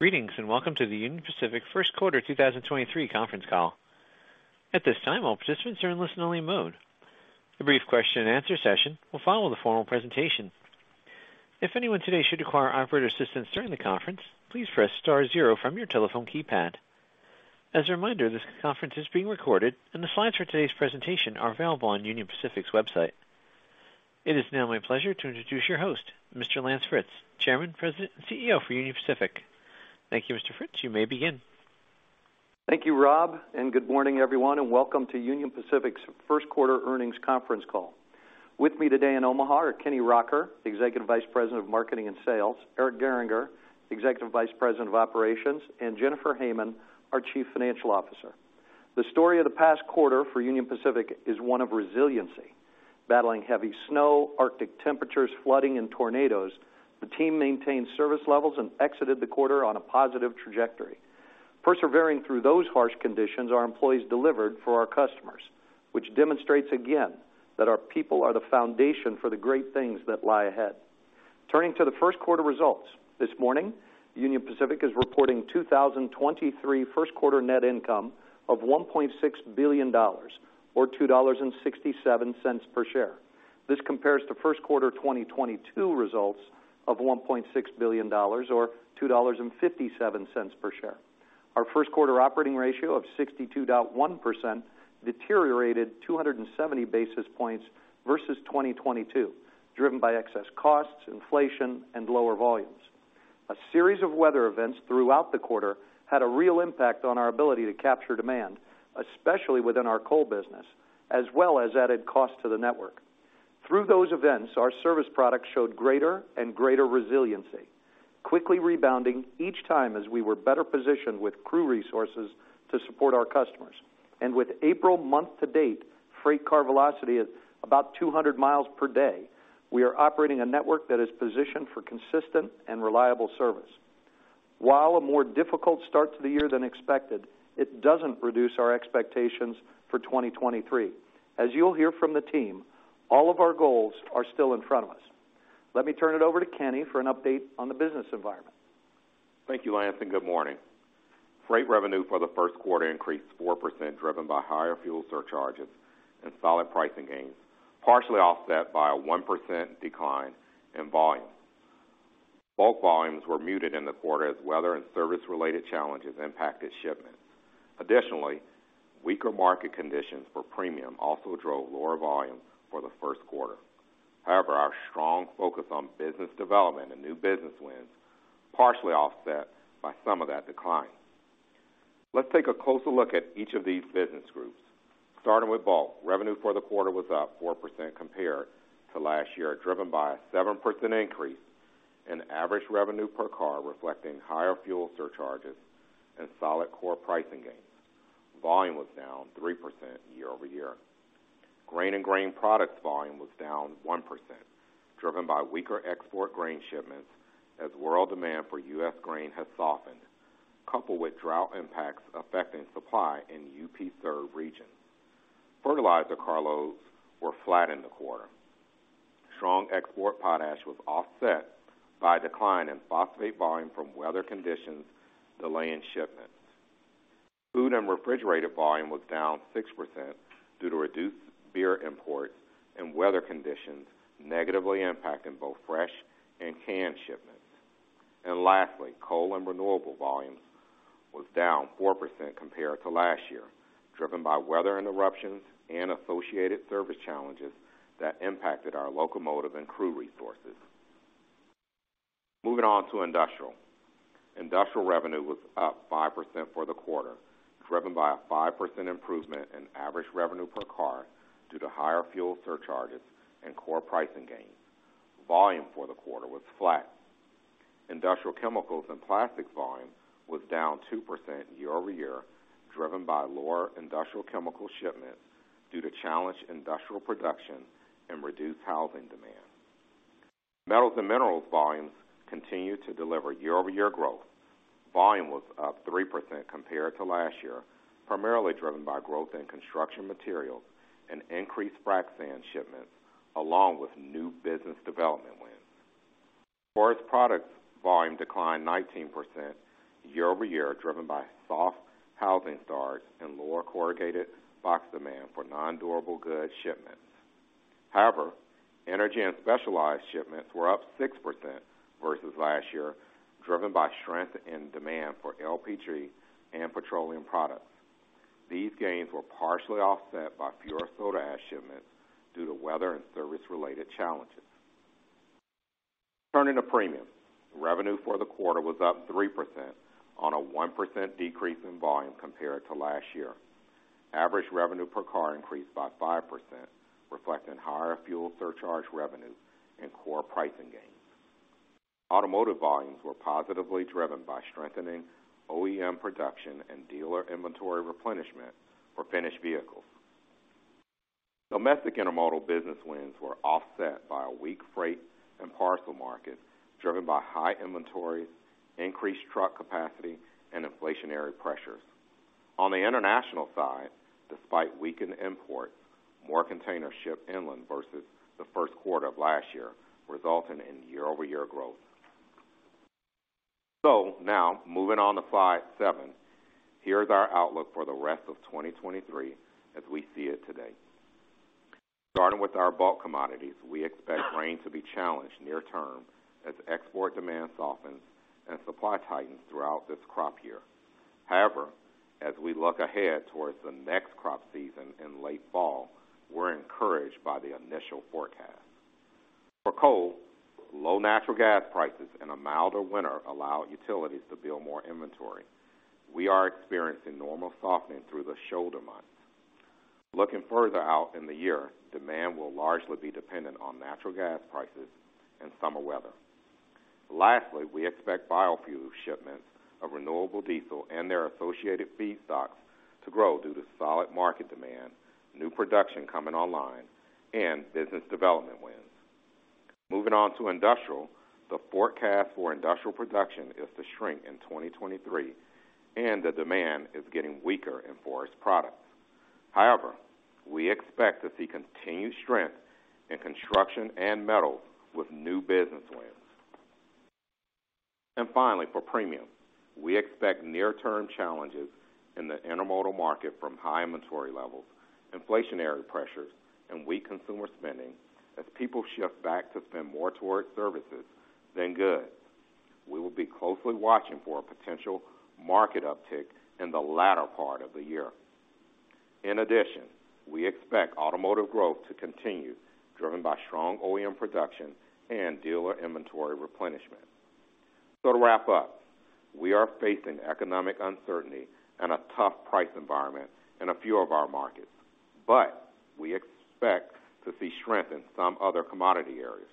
Greetings, welcome to the Union Pacific Q1 2023 conference call. At this time, all participants are in listen-only mode. A brief question-and-answer session will follow the formal presentation. If anyone today should require operator assistance during the conference, please press star zero from your telephone keypad. As a reminder, this conference is being recorded, and the slides for today's presentation are available on Union Pacific's website. It is now my pleasure to introduce your host, Mr. Lance Fritz, Chairman, President, and CEO for Union Pacific. Thank you, Mr. Fritz. You may begin. Thank you, Rob, good morning, everyone, and welcome to Union Pacific's Q1 earnings conference call. With me today in Omaha are Kenny Rocker, the Executive Vice President of Marketing and Sales, Eric Gehringer, Executive Vice President of Operations, and Jennifer Hamann, our Chief Financial Officer. The story of the past quarter for Union Pacific is one of resiliency. Battling heavy snow, arctic temperatures, flooding, and tornadoes, the team maintained service levels and exited the quarter on a positive trajectory. Persevering through those harsh conditions, our employees delivered for our customers, which demonstrates again that our people are the foundation for the great things that lie ahead. Turning to the Q1 results, this morning, Union Pacific is reporting 2023 Q1 net income of $1.6 billion or $2.67 per share. This compares to Q1 2022 results of $1.6 billion or $2.57 per share. Our Q1 operating ratio of 62.1% deteriorated 270 basis points versus 2022, driven by excess costs, inflation, and lower volumes. A series of weather events throughout the quarter had a real impact on our ability to capture demand, especially within our coal business, as well as added cost to the network. Through those events, our service products showed greater and greater resiliency, quickly rebounding each time as we were better positioned with crew resources to support our customers. With April month to date, freight car velocity at about 200 miles per day, we are operating a network that is positioned for consistent and reliable service. While a more difficult start to the year than expected, it doesn't reduce our expectations for 2023. As you'll hear from the team, all of our goals are still in front of us. Let me turn it over to Kenny for an update on the business environment. Thank you, Lance. Good morning. Freight revenue for the Q1 increased 4%, driven by higher fuel surcharges and solid pricing gains, partially offset by a 1% decline in volume. Bulk volumes were muted in the quarter as weather and service-related challenges impacted shipments. Additionally, weaker market conditions for premium also drove lower volume for the Q1. However, our strong focus on business development and new business wins partially offset by some of that decline. Let's take a closer look at each of these business groups. Starting with bulk, revenue for the quarter was up 4% compared to last year, driven by a 7% increase in average revenue per car, reflecting higher fuel surcharges and solid core pricing gains. Volume was down 3% year-over-year. Grain and grain products volume was down 1%, driven by weaker export grain shipments as world demand for U.S. grain has softened, coupled with drought impacts affecting supply in the UP-served region. Fertilizer carloads were flat in the quarter. Strong export potash was offset by a decline in phosphate volume from weather conditions delaying shipments. Food and refrigerator volume was down 6% due to reduced beer imports and weather conditions negatively impacting both fresh and canned shipments. Lastly, coal and renewable volumes was down 4% compared to last year, driven by weather interruptions and associated service challenges that impacted our locomotive and crew resources. Moving on to industrial. Industrial revenue was up 5% for the quarter, driven by a 5% improvement in average revenue per car due to higher fuel surcharges and core pricing gains. Volume for the quarter was flat. Industrial chemicals and plastics volume was down 2% year-over-year, driven by lower industrial chemical shipments due to challenged industrial production and reduced housing demand. Metals and minerals volumes continued to deliver year-over-year growth. Volume was up 3% compared to last year, primarily driven by growth in construction materials and increased frac sand shipments along with new business development wins. Forest products volume declined 19% year-over-year, driven by soft housing starts and lower corrugated box demand for non-durable goods shipments. Energy and specialized shipments were up 6% versus last year, driven by strength in demand for LPG and petroleum products. These gains were partially offset by fewer soda ash shipments due to weather and service-related challenges. Turning to premium, revenue for the quarter was up 3% on a 1% decrease in volume compared to last year. Average revenue per car increased by 5%, reflecting higher fuel surcharge revenue and core pricing gains. Automotive volumes were positively driven by strengthening OEM production and dealer inventory replenishment for finished vehicles. Domestic intermodal business wins were offset by a weak freight and parcel market driven by high inventories, increased truck capacity, and inflationary pressures. On the international side, despite weakened imports, more container ship inland versus the 1st quarter of last year, resulting in year-over-year growth. Now moving on to slide 7. Here's our outlook for the rest of 2023 as we see it today. Starting with our bulk commodities, we expect grain to be challenged near term as export demand softens and supply tightens throughout this crop year. However, as we look ahead towards the next crop season in late fall, we're encouraged by the initial forecast. For coal, low natural gas prices and a milder winter allow utilities to build more inventory. We are experiencing normal softening through the shoulder months. Looking further out in the year, demand will largely be dependent on natural gas prices and summer weather. We expect biofuel shipments of renewable diesel and their associated feedstocks to grow due to solid market demand, new production coming online, and business development wins. Moving on to industrial. The forecast for industrial production is to shrink in 2023. The demand is getting weaker in forest products. We expect to see continued strength in construction and metals with new business wins. Finally, for premium, we expect near-term challenges in the intermodal market from high inventory levels, inflationary pressures, and weak consumer spending as people shift back to spend more towards services than goods. We will be closely watching for a potential market uptick in the latter part of the year. In addition, we expect automotive growth to continue, driven by strong OEM production and dealer inventory replenishment. To wrap up, we are facing economic uncertainty and a tough price environment in a few of our markets, but we expect to see strength in some other commodity areas.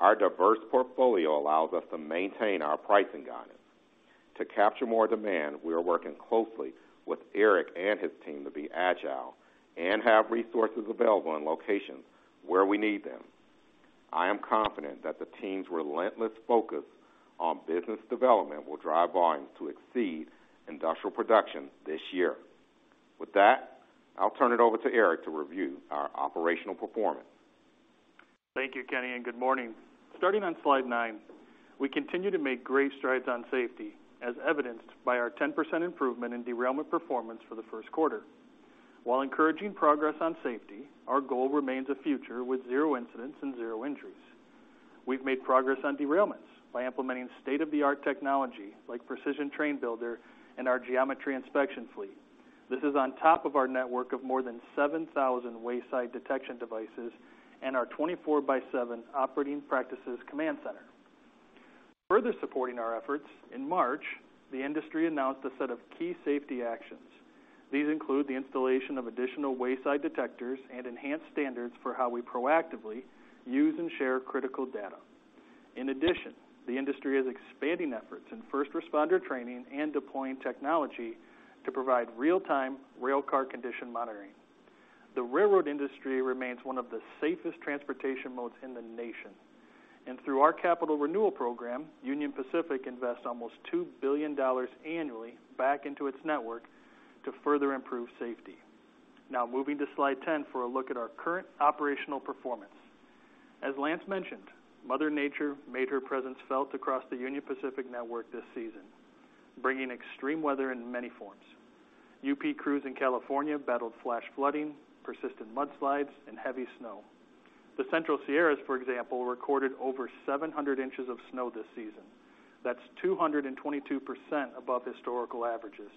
Our diverse portfolio allows us to maintain our pricing guidance. To capture more demand, we are working closely with Eric and his team to be agile and have resources available in locations where we need them. I am confident that the team's relentless focus on business development will drive volumes to exceed industrial production this year. With that, I'll turn it over to Eric to review our operational performance. Thank you, Kenny. Good morning. Starting on slide nine, we continue to make great strides on safety, as evidenced by our 10% improvement in derailment performance for the Q1. While encouraging progress on safety, our goal remains a future with 0 incidents and 0 injuries. We've made progress on derailments by implementing state-of-the-art technology like Precision Train Builder and our geometry inspection fleet. This is on top of our network of more than 7,000 wayside detection devices and our 24 by 7 Operating Practices Command Center. Further supporting our efforts, in March, the industry announced a set of key safety actions. These include the installation of additional wayside detectors and enhanced standards for how we proactively use and share critical data. In addition, the industry is expanding efforts in first responder training and deploying technology to provide real-time rail car condition monitoring. The railroad industry remains one of the safest transportation modes in the nation. Through our capital renewal program, Union Pacific invests almost $2 billion annually back into its network to further improve safety. Now moving to slide 10 for a look at our current operational performance. As Lance mentioned, Mother Nature made her presence felt across the Union Pacific network this season, bringing extreme weather in many forms. UP crews in California battled flash flooding, persistent mudslides, and heavy snow. The Central Sierras, for example, recorded over 700 inches of snow this season. That's 222% above historical averages.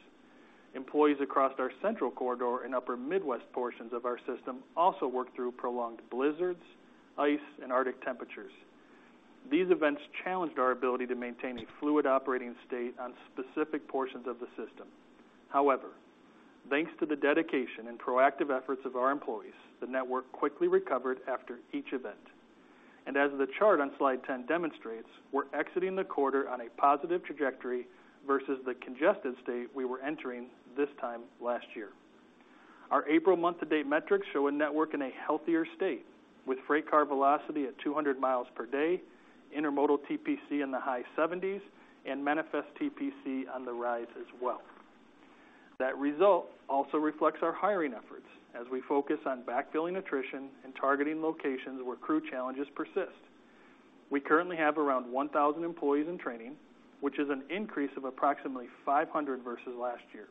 Employees across our central corridor and upper Midwest portions of our system also worked through prolonged blizzards, ice, and Arctic temperatures. These events challenged our ability to maintain a fluid operating state on specific portions of the system. However, thanks to the dedication and proactive efforts of our employees, the network quickly recovered after each event. As the chart on slide 10 demonstrates, we're exiting the quarter on a positive trajectory versus the congested state we were entering this time last year. Our April month-to-date metrics show a network in a healthier state, with freight car velocity at 200 mi per day, intermodal TPC in the high 70s, and manifest TPC on the rise as well. That result also reflects our hiring efforts as we focus on backfilling attrition and targeting locations where crew challenges persist. We currently have around 1,000 employees in training, which is an increase of approximately 500 versus last year.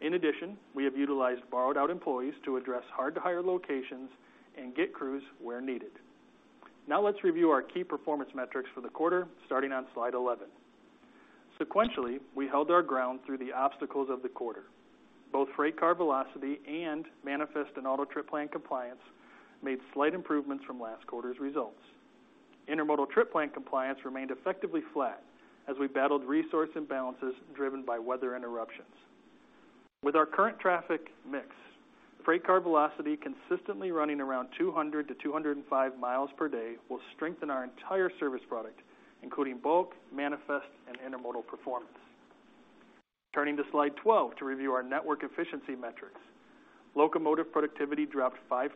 In addition, we have utilized borrowed out employees to address hard-to-hire locations and get crews where needed. Let's review our key performance metrics for the quarter, starting on slide 11. Sequentially, we held our ground through the obstacles of the quarter. Both freight car velocity and manifest and auto trip plan compliance made slight improvements from last quarter's results. Intermodal trip plan compliance remained effectively flat as we battled resource imbalances driven by weather interruptions. With our current traffic mix, freight car velocity consistently running around 200-205 miles per day will strengthen our entire service product, including bulk, manifest, and intermodal performance. Turning to slide 12 to review our network efficiency metrics. Locomotive productivity dropped 5%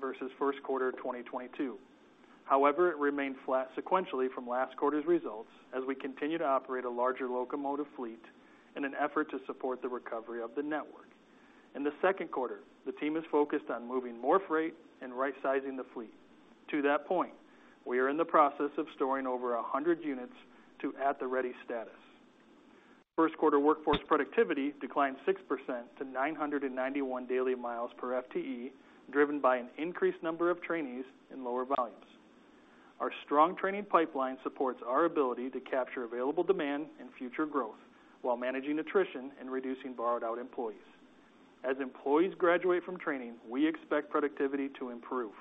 versus Q1 of 2022. It remained flat sequentially from last quarter's results as we continue to operate a larger locomotive fleet in an effort to support the recovery of the network. In the Q2, the team is focused on moving more freight and rightsizing the fleet. To that point, we are in the process of storing over 100 units to at the ready status. Q1 workforce productivity declined 6% to 991 daily miles per FTE, driven by an increased number of trainees and lower volumes. Our strong training pipeline supports our ability to capture available demand and future growth while managing attrition and reducing borrowed out employees. As employees graduate from training, we expect productivity to improve.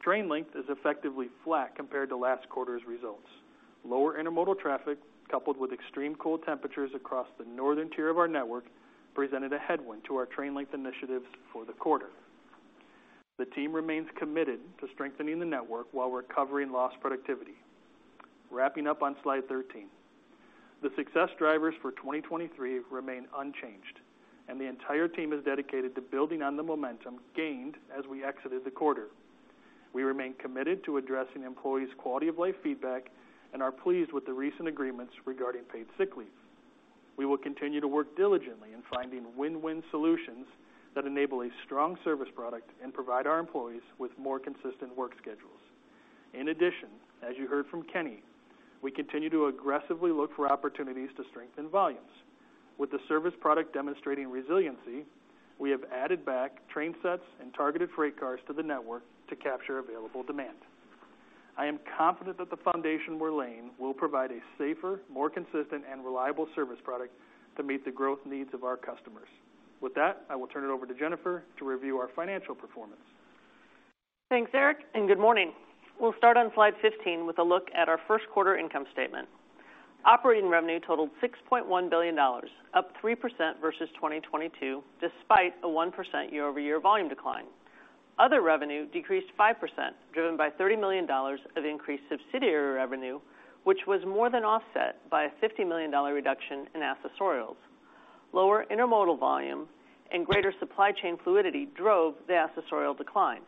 Train length is effectively flat compared to last quarter's results. Lower intermodal traffic, coupled with extreme cold temperatures across the northern tier of our network, presented a headwind to our train length initiatives for the quarter. The team remains committed to strengthening the network while recovering lost productivity. Wrapping up on slide 13, the success drivers for 2023 remain unchanged, and the entire team is dedicated to building on the momentum gained as we exited the quarter. We remain committed to addressing employees' quality of life feedback and are pleased with the recent agreements regarding paid sick leave. We will continue to work diligently in finding win-win solutions that enable a strong service product and provide our employees with more consistent work schedules. In addition, as you heard from Kenny, we continue to aggressively look for opportunities to strengthen volumes. With the service product demonstrating resiliency, we have added back train sets and targeted freight cars to the network to capture available demand. I am confident that the foundation we're laying will provide a safer, more consistent, and reliable service product to meet the growth needs of our customers. With that, I will turn it over to Jennifer to review our financial performance. Thanks, Eric. Good morning. We'll start on slide 15 with a look at our Q1 income statement. Operating revenue totaled $6.1 billion, up 3% versus 2022, despite a 1% year-over-year volume decline. Other revenue decreased 5%, driven by $30 million of increased subsidiary revenue, which was more than offset by a $50 million reduction in accessorials. Lower intermodal volume and greater supply chain fluidity drove the accessorial decline.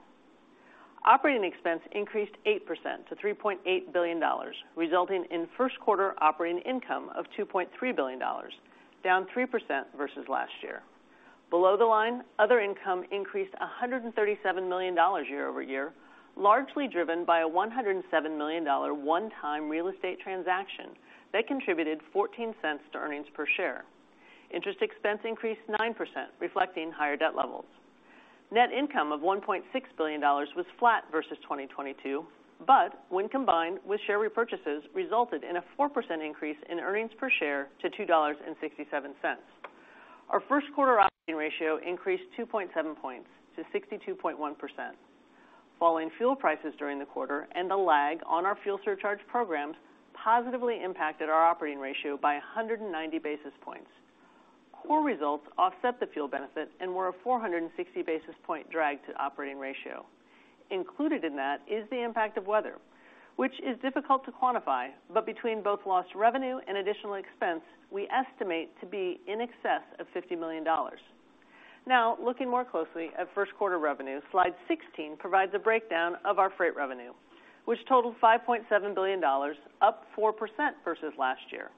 Operating expense increased 8% to $3.8 billion, resulting in Q1 operating income of $2.3 billion, down 3% versus last year. Below the line, other income increased $137 million year-over-year, largely driven by a $107 million one-time real estate transaction that contributed $0.14 to earnings per share. Interest expense increased 9%, reflecting higher debt levels. Net income of $1.6 billion was flat versus 2022, but when combined with share repurchases, resulted in a 4% increase in earnings per share to $2.67. Our Q1 operating ratio increased 2.7 points to 62.1%. Falling fuel prices during the quarter and a lag on our fuel surcharge programs positively impacted our operating ratio by 190 basis points. Core results offset the fuel benefit and were a 460 basis point drag to operating ratio. Included in that is the impact of weather, which is difficult to quantify, but between both lost revenue and additional expense, we estimate to be in excess of $50 million. Looking more closely at Q1 revenue, Slide 16 provides a breakdown of our freight revenue, which totaled $5.7 billion, up 4% versus last year.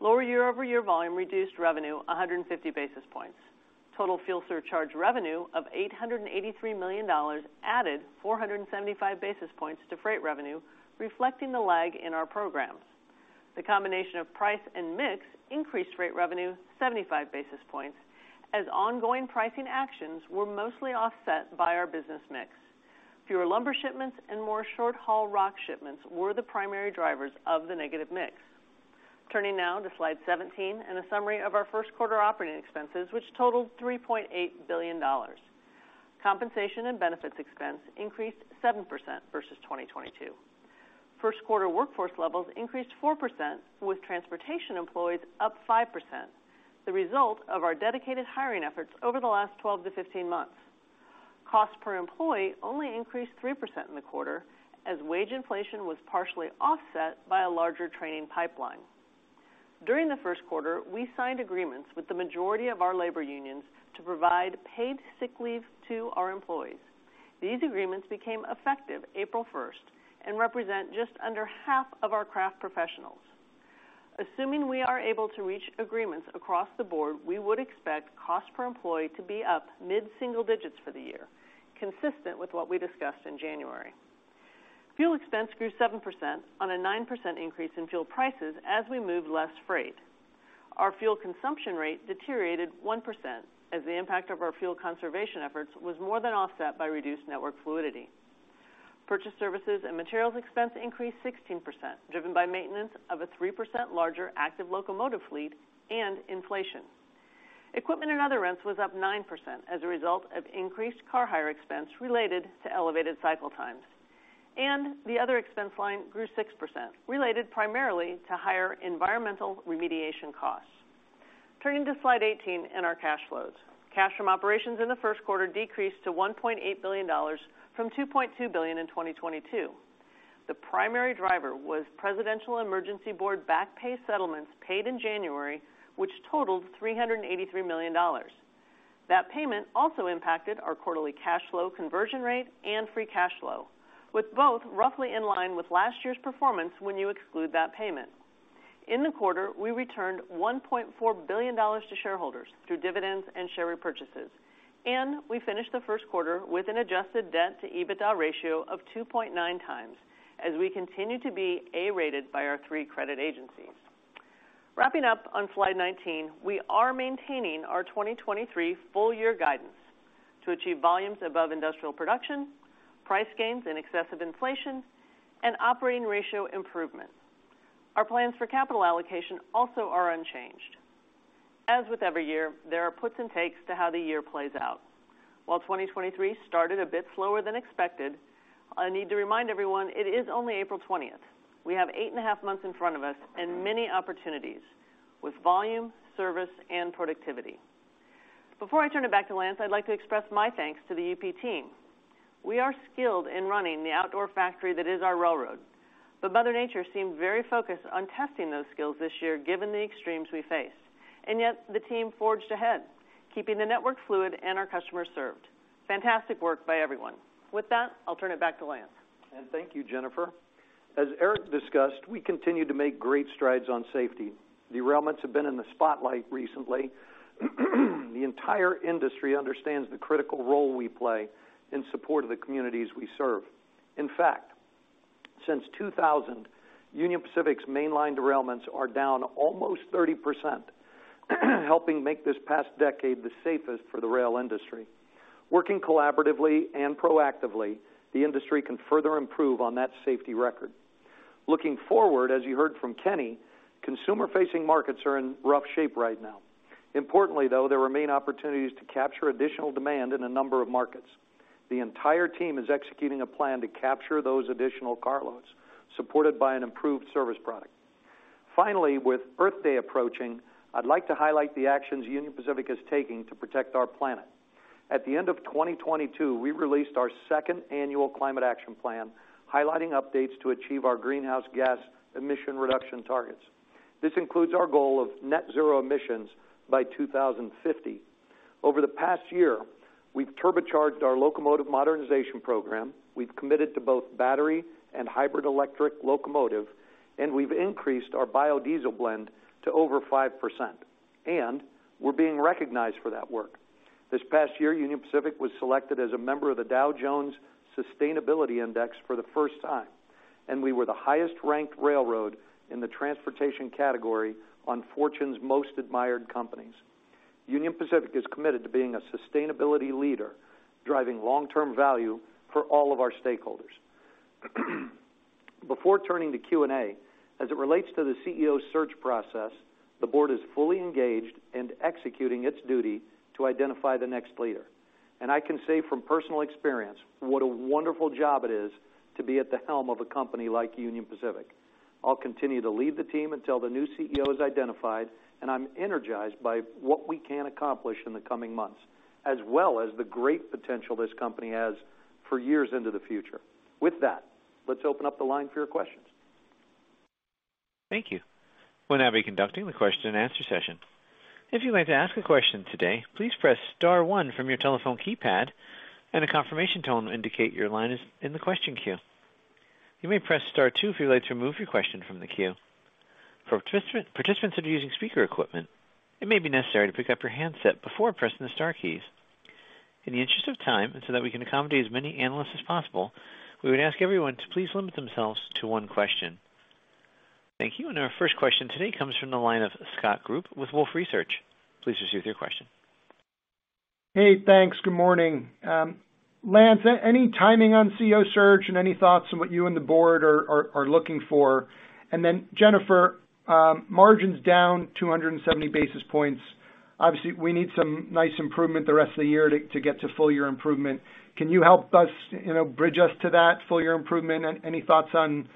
Lower year-over-year volume reduced revenue 150 basis points. Total fuel surcharge revenue of $883 million added 475 basis points to freight revenue, reflecting the lag in our programs. The combination of price and mix increased freight revenue 75 basis points as ongoing pricing actions were mostly offset by our business mix. Fewer lumber shipments and more short-haul rock shipments were the primary drivers of the negative mix. Turning to Slide 17 and a summary of our Q1 operating expenses, which totaled $3.8 billion. Compensation and benefits expense increased 7% versus 2022. Q1 workforce levels increased 4%, with transportation employees up 5%, the result of our dedicated hiring efforts over the last 12 to 15 months. Cost per employee only increased 3% in the quarter as wage inflation was partially offset by a larger training pipeline. During the Q1, we signed agreements with the majority of our labor unions to provide paid sick leave to our employees. These agreements became effective April first and represent just under half of our craft professionals. Assuming we are able to reach agreements across the board, we would expect cost per employee to be up mid-single digits for the year, consistent with what we discussed in January. Fuel expense grew 7% on a 9% increase in fuel prices as we moved less freight. Our fuel consumption rate deteriorated 1% as the impact of our fuel conservation efforts was more than offset by reduced network fluidity. Purchase services and materials expense increased 16%, driven by maintenance of a 3% larger active locomotive fleet and inflation. Equipment and other rents was up 9% as a result of increased car hire expense related to elevated cycle times. The other expense line grew 6%, related primarily to higher environmental remediation costs. Turning to slide 18 and our cash flows. Cash from operations in the Q1 decreased to $1.8 billion from $2.2 billion in 2022. The primary driver was Presidential Emergency Board back pay settlements paid in January, which totaled $383 million. That payment also impacted our quarterly cash flow conversion rate and free cash flow, with both roughly in line with last year's performance when you exclude that payment. In the quarter, we returned $1.4 billion to shareholders through dividends and share repurchases. We finished the Q1 with an adjusted debt-to-EBITDA ratio of 2.9 times as we continue to be A-rated by our three credit agencies. Wrapping up on slide 19, we are maintaining our 2023 full year guidance to achieve volumes above industrial production, price gains in excess of inflation, and operating ratio improvement. Our plans for capital allocation also are unchanged. As with every year, there are puts and takes to how the year plays out. While 2023 started a bit slower than expected, I need to remind everyone it is only April 20th. We have eight and a half months in front of us and many opportunities with volume, service, and productivity. Before I turn it back to Lance, I'd like to express my thanks to the UP team. We are skilled in running the outdoor factory that is our railroad, but mother nature seemed very focused on testing those skills this year, given the extremes we faced. Yet the team forged ahead, keeping the network fluid and our customers served. Fantastic work by everyone. With that, I'll turn it back to Lance. Thank you, Jennifer. As Eric discussed, we continue to make great strides on safety. Derailments have been in the spotlight recently. The entire industry understands the critical role we play in support of the communities we serve. In fact, since 2000, Union Pacific's mainline derailments are down almost 30%, helping make this past decade the safest for the rail industry. Working collaboratively and proactively, the industry can further improve on that safety record. Looking forward, as you heard from Kenny, consumer-facing markets are in rough shape right now. Importantly, though, there remain opportunities to capture additional demand in a number of markets. The entire team is executing a plan to capture those additional car loads, supported by an improved service product. Finally, with Earth Day approaching, I'd like to highlight the actions Union Pacific is taking to protect our planet. At the end of 2022, we released our second annual Climate Action Plan, highlighting updates to achieve our greenhouse gas emission reduction targets. This includes our goal of net zero emissions by 2050. Over the past year, we've turbocharged our locomotive modernization program, we've committed to both battery and hybrid electric locomotive, and we've increased our biodiesel blend to over 5%. We're being recognized for that work. This past year, Union Pacific was selected as a member of the Dow Jones Sustainability Index for the first time, and we were the highest-ranked railroad in the transportation category on Fortune's Most Admired Companies. Union Pacific is committed to being a sustainability leader, driving long-term value for all of our stakeholders. Before turning to Q&A, as it relates to the CEO search process, the board is fully engaged and executing its duty to identify the next leader. I can say from personal experience what a wonderful job it is to be at the helm of a company like Union Pacific. I'll continue to lead the team until the new CEO is identified, and I'm energized by what we can accomplish in the coming months, as well as the great potential this company has for years into the future. With that, let's open up the line for your questions. Thank you. We'll now be conducting the question and answer session. If you'd like to ask a question today, please press star 1 from your telephone keypad, and a confirmation tone will indicate your line is in the question queue. You may press star two if you'd like to remove your question from the queue. For participants that are using speaker equipment, it may be necessary to pick up your handset before pressing the star keys. In the interest of time, and so that we can accommodate as many analysts as possible, we would ask everyone to please limit themselves to one question. Thank you. Our first question today comes from the line of Scott Group with Wolfe Research. Please proceed with your question. Hey, thanks. Good morning. Lance, any timing on CEO search and any thoughts on what you and the board are looking for? Jennifer, margins down 270 basis points. Obviously, we need some nice improvement the rest of the year to get to full year improvement. Can you help us bridge us to that full year improvement? Any thoughts on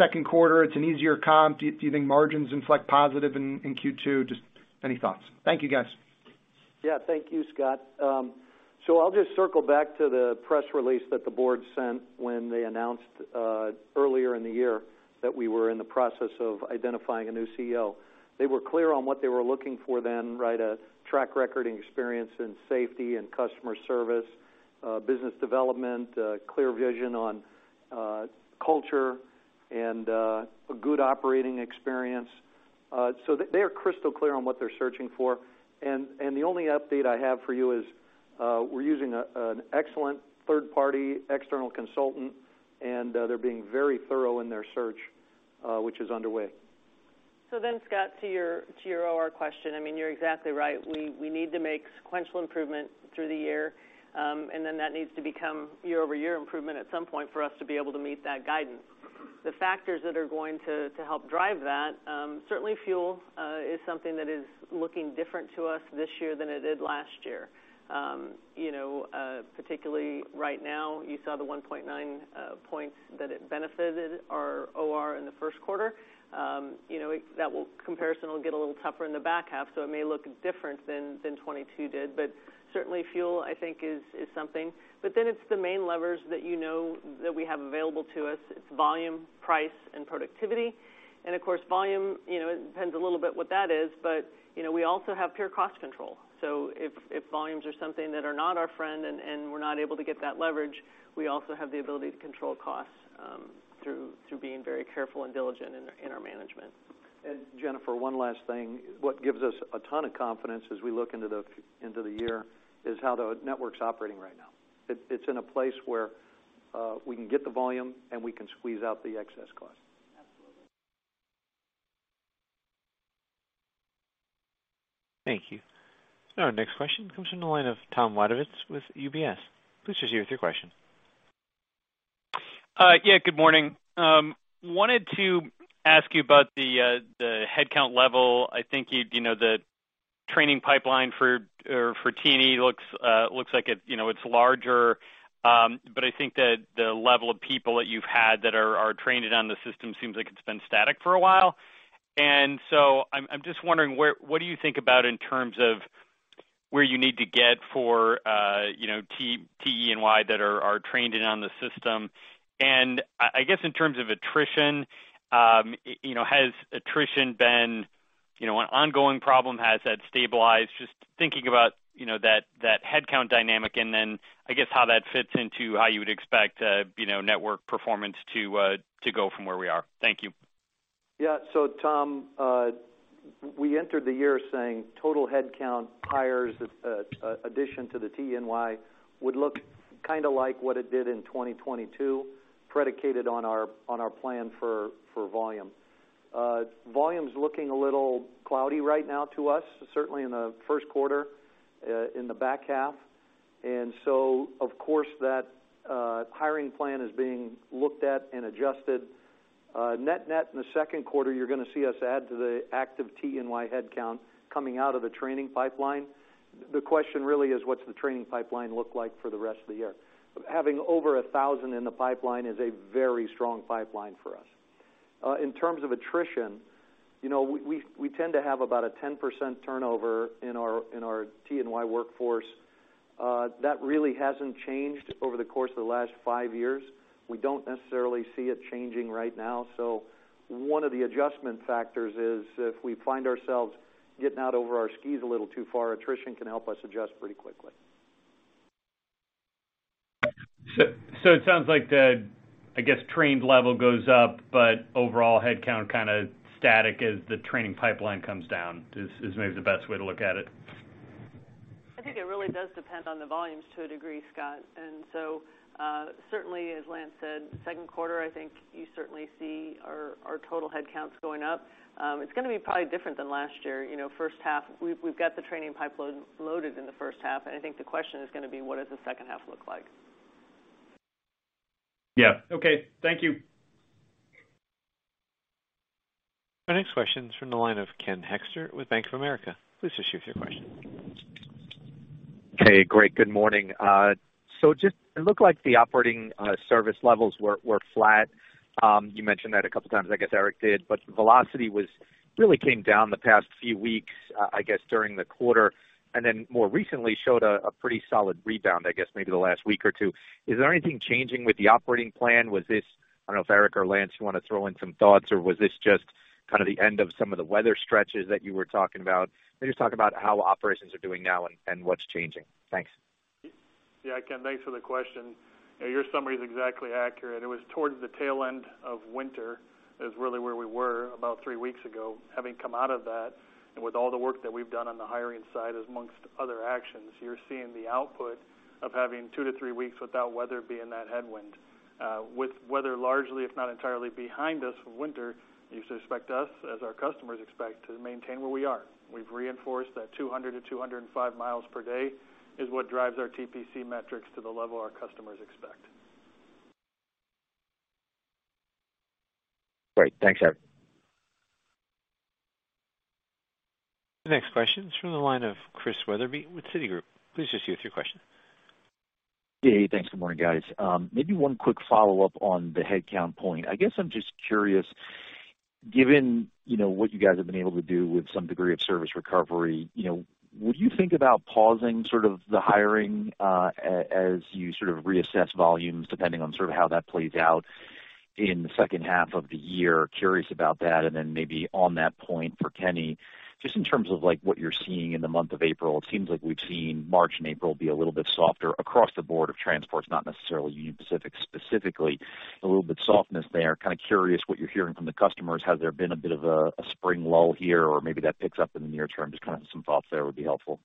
Q2? It's an easier comp. Do you think margins inflect positive in Q2? Just any thoughts? Thank you, guys. Yeah. Thank you, Scott. I'll just circle back to the press release that the board sent when they announced earlier in the year that we were in the process of identifying a new CEO. They were clear on what they were looking for then, right? A track record and experience in safety and customer service, business development, clear vision on culture and a good operating experience. They are crystal clear on what they're searching for. The only update I have for you is we're using an excellent third-party external consultant, and they're being very thorough in their search, which is underway. Scott, to your OR question, I mean, you're exactly right. We need to make sequential improvement through the year, that needs to become year-over-year improvement at some point for us to be able to meet that guidance. The factors that are going to help drive that, certainly fuel is something that is looking different to us this year than it did last year. Particularly right now, you saw the 1.9 points that it benefited our OR in the Q1. That comparison will get a little tougher in the back half, it may look different than 2022 did, certainly fuel, I think, is something. It's the main levers that you know that we have available to us. It's volume, price, and productivity. Of course, volume it depends a little bit what that is, but we also have pure cost control. If volumes are something that are not our friend and we're not able to get that leverage, we also have the ability to control costs, through being very careful and diligent in our management. Jennifer, one last thing. What gives us a ton of confidence as we look into the year is how the network's operating right now. It's in a place where, we can get the volume, and we can squeeze out the excess cost. Absolutely. Thank you. Our next question comes from the line of Tom Wadewitz with UBS. Please proceed with your question. Yeah, good morning. Wanted to ask you about the headcount level. I think you'd the training pipeline for, or for TE looks like it it's larger. But I think that the level of people that you've had that are trained in on the system seems like it's been static for a while. I'm just wondering what do you think about in terms of where you need to get for TE&Y that are trained in on the system. I guess, in terms of attrition has attrition been an ongoing problem? Has that stabilized? Just thinking about that headcount dynamic, and then I guess how that fits into how you would expect network performance to go from where we are. Thank you. Yeah. Tom, we entered the year saying total headcount hires, addition to the TE&Y would look kinda like what it did in 2022, predicated on our plan for volume. volume's looking a little cloudy right now to us, certainly in the Q1, in the back half. Of course that, hiring plan is being looked at and adjusted. net-net in the Q2, you're gonna see us add to the active TE&Y headcount coming out of the training pipeline. The question really is, what's the training pipeline look like for the rest of the year? Having over 1,000 in the pipeline is a very strong pipeline for us. In terms of attrition we tend to have about a 10% turnover in our TE&Y workforce. That really hasn't changed over the course of the last five years. We don't necessarily see it changing right now. One of the adjustment factors is if we find ourselves getting out over our skis a little too far, attrition can help us adjust pretty quickly. It sounds like the, I guess, trained level goes up, but overall headcount kinda static as the training pipeline comes down is maybe the best way to look at it. I think it really does depend on the volumes to a degree, Scott. Certainly as Lance said, Q2, I think you certainly see our total headcounts going up. It's gonna be probably different than last year. First half, we've got the training pipe loaded in the first half, and I think the question is gonna be, what does the second half look like? Yeah. Okay. Thank you. Our next question is from the line of Ken Hoexter with Bank of America. Please issue with your question. Hey, great. Good morning. Just it looked like the operating service levels were flat. You mentioned that a couple times, I guess Eric did, but velocity really came down the past few weeks, I guess during the quarter, and then more recently showed a pretty solid rebound, I guess, maybe the last week or two. Is there anything changing with the operating plan? Was this I don't know if Eric or Lance, you wanna throw in some thoughts, or was this just the end of some of the weather stretches that you were talking about? Maybe just talk about how operations are doing now and what's changing. Thanks. Yeah. Ken, thanks for the question. Your summary is exactly accurate. It was towards the tail end of winter is really where we were about three weeks ago. Having come out of that and with all the work that we've done on the hiring side, amongst other actions, you're seeing the output of having two to three weeks without weather being that headwind. With weather largely, if not entirely behind us for winter, you should expect us, as our customers expect, to maintain where we are. We've reinforced that 200-205 miles per day is what drives our TPC metrics to the level our customers expect. Great. Thanks, Eric. The next question is from the line of Chris Wetherbee with Citigroup. Please proceed with your question. Yeah. Thanks. Good morning, guys. Maybe one quick follow-up on the headcount point. I guess I'm just curious, given what you guys have been able to do with some degree of service recovery would you think about pausing the hiring, as you reassess volumes depending on how that plays out in the second half of the year? Curious about that. Then maybe on that point for Kenny, just in terms of, like, what you're seeing in the month of April, it seems like we've seen March and April be a little bit softer across the board of transports, not necessarily Union Pacific specifically, a little bit softness there. Kinda curious what you're hearing from the customers. Has there been a bit of a spring lull here, or maybe that picks up in the near term? Just kinda some thoughts there would be helpful.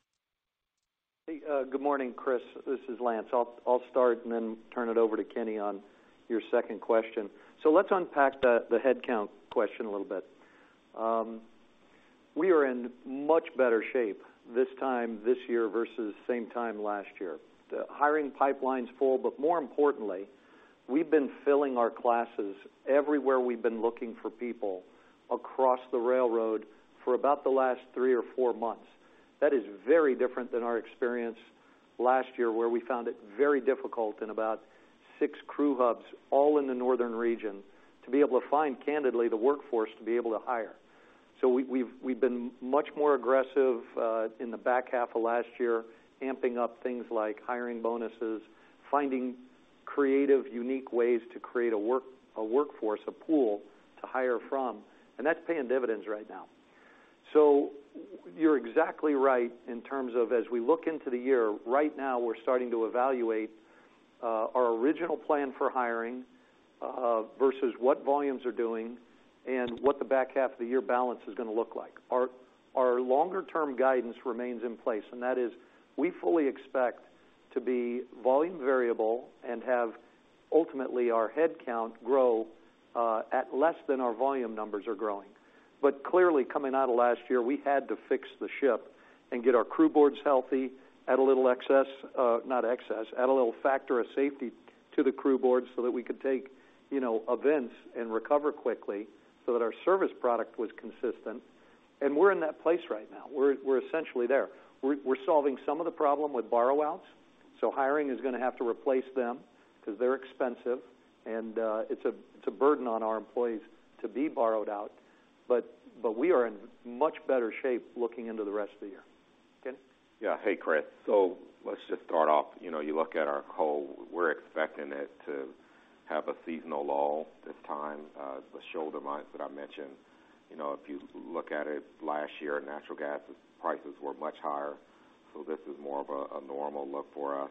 Hey, good morning, Chris. This is Lance. I'll start then turn it over to Kenny on your second question. Let's unpack the headcount question a little bit. We are in much better shape this time this year versus same time last year. The hiring pipeline's full, more importantly, we've been filling our classes everywhere we've been looking for people across the railroad for about the last 3 or 4 months. That is very different than our experience last year, where we found it very difficult in about 6 crew hubs all in the northern region to be able to find, candidly, the workforce to be able to hire. We've been much more aggressive in the back half of last year, amping up things like hiring bonuses, finding creative, unique ways to create a workforce, a pool to hire from, and that's paying dividends right now. You're exactly right in terms of as we look into the year. Right now, we're starting to evaluate our original plan for hiring versus what volumes are doing and what the back half of the year balance is gonna look like. Our longer term guidance remains in place, and that is, we fully expect to be volume variable and have, ultimately, our head count grow at less than our volume numbers are growing. Clearly, coming out of last year, we had to fix the ship and get our crew boards healthy, add a little excess. Not excess. Add a little factor of safety to the crew board so that we could take events and recover quickly so that our service product was consistent. We're in that place right now. We're essentially there. We're solving some of the problem with borrow outs, so hiring is gonna have to replace them 'cause they're expensive and it's a burden on our employees to be borrowed out. We are in much better shape looking into the rest of the year. Ken? Yeah. Hey, Chris. Let's just start off. You look at our coal, we're expecting it to have a seasonal lull this time. The shoulder months that I mentioned if you look at it last year, natural gas prices were much higher, so this is more of a normal look for us.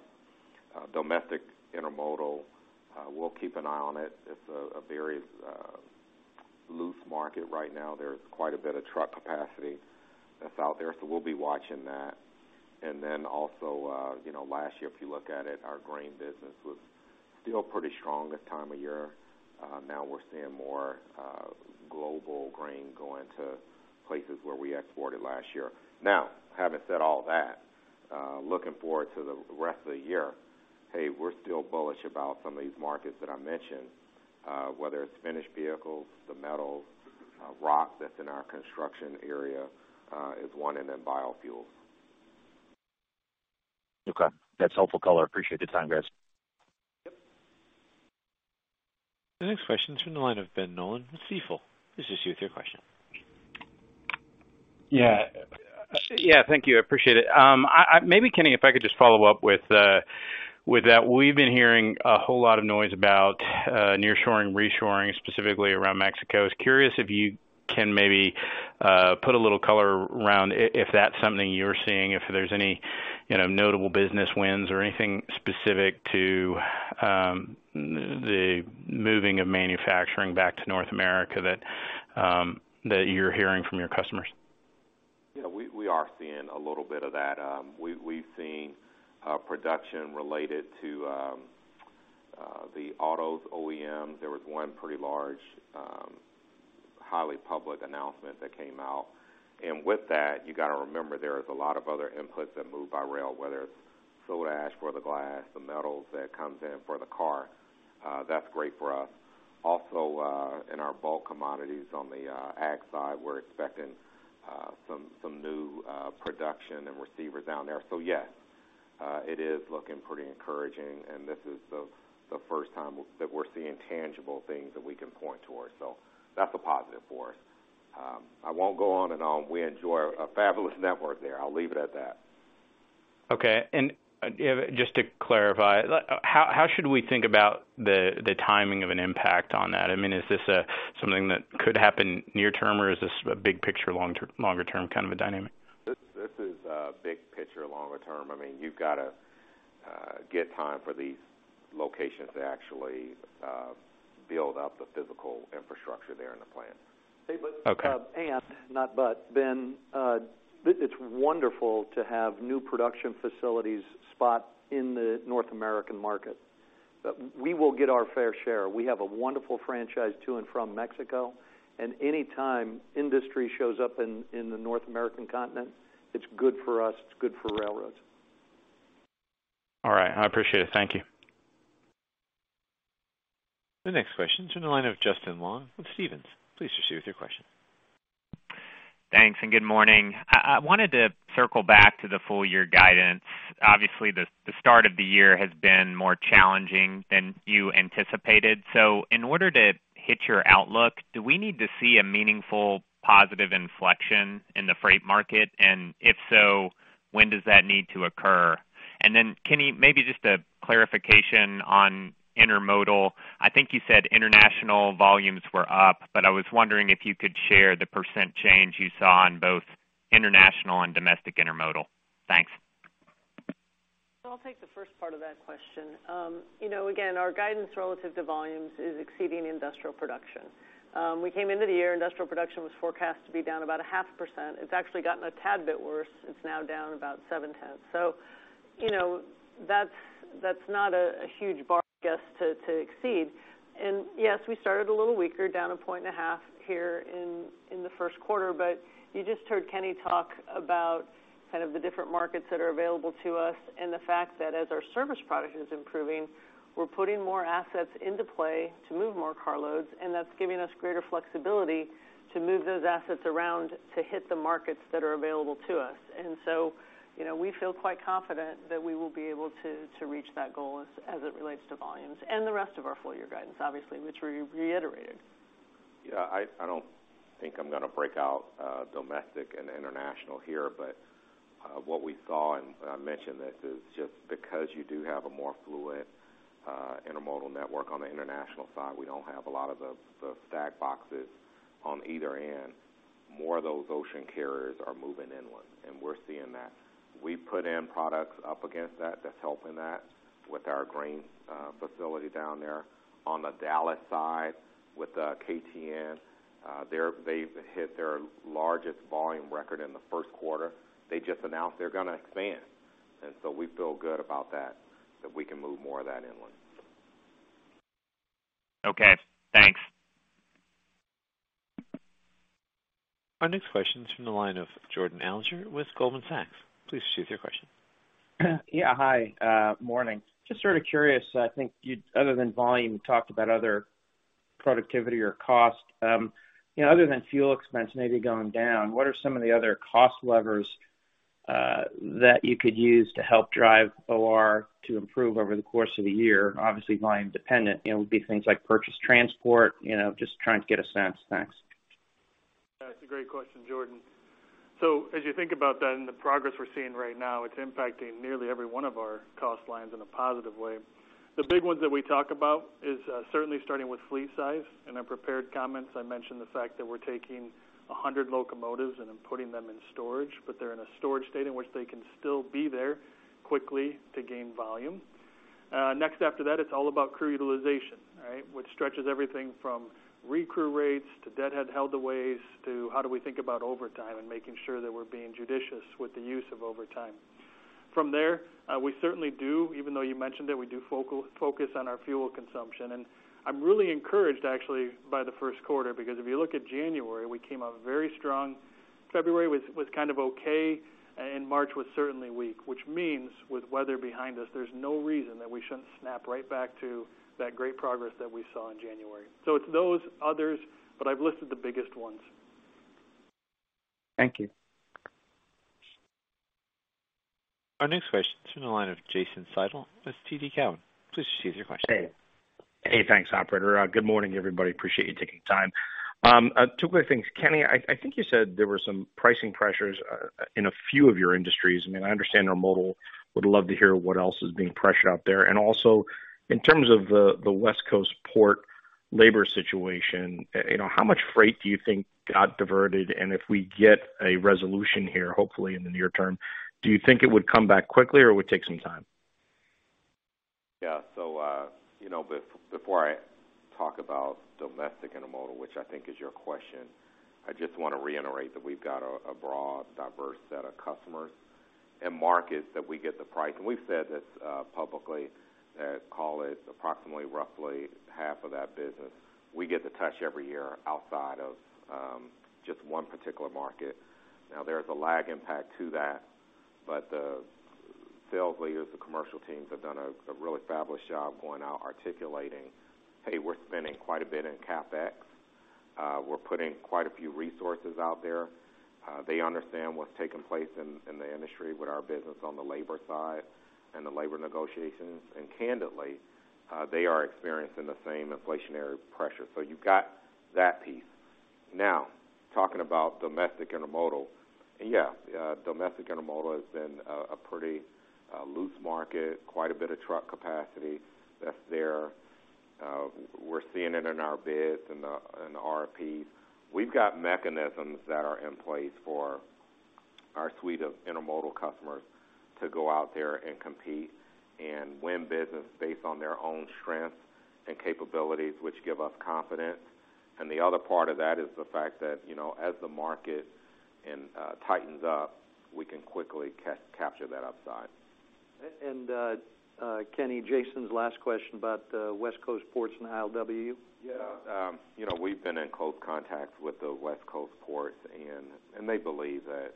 Domestic intermodal, we'll keep an eye on it. It's a very loose market right now. There's quite a bit of truck capacity that's out there, so we'll be watching that. Last year, if you look at it, our grain business was still pretty strong this time of year. Now we're seeing more global grain going to places where we exported last year. Having said all that, looking forward to the rest of the year, hey, we're still bullish about some of these markets that I mentioned, whether it's finished vehicles, the metals, rock that's in our construction area, is one, and then biofuels. Okay. That's helpful color. Appreciate the time, guys. Yep. The next question is from the line of Ben Nolan with Stifel. This is you with your question. Yeah. Yeah, thank you. I appreciate it. Maybe, Kenny, if I could just follow up with that. We've been hearing a whole lot of noise about nearshoring, reshoring, specifically around Mexico. I was curious if you can maybe put a little color around if that's something you're seeing, if there's any notable business wins or anything specific to the moving of manufacturing back to North America that you're hearing from your customers. Yeah, we are seeing a little bit of that. We've seen production related to the autos OEMs. There was one pretty large, highly public announcement that came out. With that, you gotta remember, there is a lot of other inputs that move by rail, whether it's soda ash for the glass, the metals that comes in for the car. That's great for us. Also, in our bulk commodities on the ag side, we're expecting some new production and receivers down there. Yes, it is looking pretty encouraging, and this is the first time that we're seeing tangible things that we can point towards. That's a positive for us. I won't go on and on. We enjoy a fabulous network there. I'll leave it at that. Okay. Just to clarify, how should we think about the timing of an impact on that? I mean, is this something that could happen near term, or is this a big picture, longer term a dynamic? This is a big picture, longer term. I mean, you've gotta get time for these locations to actually build out the physical infrastructure there in the plant. Okay. Not but, Ben, it's wonderful to have new production facilities spot in the North American market. We will get our fair share. We have a wonderful franchise to and from Mexico, and any time industry shows up in the North American continent, it's good for us, it's good for railroads. All right. I appreciate it. Thank you. The next question is from the line of Justin Long with Stephens. Please proceed with your question. Thanks, and good morning. I wanted to circle back to the full year guidance. Obviously, the start of the year has been more challenging than you anticipated. In order to hit your outlook, do we need to see a meaningful positive inflection in the freight market? If so, when does that need to occur? Then, Kenny, maybe just a clarification on intermodal. I think you said international volumes were up, but I was wondering if you could share the % change you saw in both international and domestic intermodal. Thanks. I'll take the first part of that question. Again, our guidance relative to volumes is exceeding industrial production. We came into the year, industrial production was forecast to be down about 0.5%. It's actually gotten a tad bit worse. It's now down about 0.7%. That's not a huge bar, I guess, to exceed. Yes, we started a little weaker, down 1.5% here in the Q1. You just heard Kenny talk about the different markets that are available to us and the fact that as our service product is improving, we're putting more assets into play to move more car loads, and that's giving us greater flexibility to move those assets around to hit the markets that are available to us. We feel quite confident that we will be able to reach that goal as it relates to volumes and the rest of our full year guidance, obviously, which we reiterated. Yeah. I don't think I'm gonna break out domestic and international here, what we saw, and I mentioned this, is just because you do have a more fluid intermodal network on the international side, we don't have a lot of the stack boxes on either end. More of those ocean carriers are moving inland, and we're seeing that. We put in products up against that's helping that with our grain facility down there on the Dallas side with KTN. They've hit their largest volume record in the Q1. They just announced they're gonna expand. We feel good about that we can move more of that inland. Okay, thanks. Our next question is from the line of Jordan Alliger with Goldman Sachs. Please proceed with your question. Yeah, hi. Morning. Just curious, I think you, other than volume, talked about other productivity or cost. Other than fuel expense maybe going down, what are some of the other cost levers that you could use to help drive OR to improve over the course of the year? Obviously, volume dependent, it would be things like purchase transport just trying to get a sense. Thanks. That's a great question, Jordan. As you think about that and the progress we're seeing right now, it's impacting nearly every one of our cost lines in a positive way. The big ones that we talk about is certainly starting with fleet size. In our prepared comments, I mentioned the fact that we're taking 100 locomotives and then putting them in storage, but they're in a storage state in which they can still be there quickly to gain volume. Next after that, it's all about crew utilization, right? Which stretches everything from recrew rates to deadhead heldaways to how do we think about overtime and making sure that we're being judicious with the use of overtime. We certainly do, even though you mentioned that we do focus on our fuel consumption, and I'm really encouraged actually by the Q1, because if you look at January, we came out very strong. February was okay, and March was certainly weak, which means with weather behind us, there's no reason that we shouldn't snap right back to that great progress that we saw in January. It's those others, but I've listed the biggest ones. Thank you. Our next question is from the line of Jason Seidl with TD Cowen. Please proceed with your question. Hey. Hey, thanks, operator. Good morning, everybody. Appreciate you taking time. Two quick things. Kenny, I think you said there were some pricing pressures in a few of your industries. I mean, I understand they're mobile, would love to hear what else is being pressured out there. Also in terms of the West Coast port labor situation how much freight do you think got diverted? If we get a resolution here, hopefully in the near term, do you think it would come back quickly or it would take some time? Yeah. Before I talk about domestic intermodal, which I think is your question, I just wanna reiterate that we've got a broad, diverse set of customers and markets that we get to price. We've said this publicly, call it approximately roughly half of that business we get to touch every year outside of just one particular market. Now, there's a lag impact to that, but the sales leaders, the commercial teams have done a really fabulous job going out articulating, "Hey, we're spending quite a bit in CapEx. We're putting quite a few resources out there." They understand what's taking place in the industry with our business on the labor side and the labor negotiations. Candidly, they are experiencing the same inflationary pressure. You've got that piece. Now, talking about domestic intermodal. Yeah, domestic intermodal has been a pretty loose market. Quite a bit of truck capacity that's there. We're seeing it in our bids and in RFPs. We've got mechanisms that are in place for our suite of intermodal customers to go out there and compete and win business based on their own strengths and capabilities, which give us confidence. The other part of that is the fact that as the market tightens up, we can quickly capture that upside. Kenny, Jason's last question about West Coast ports and ILWU. We've been in close contact with the West Coast ports and they believe that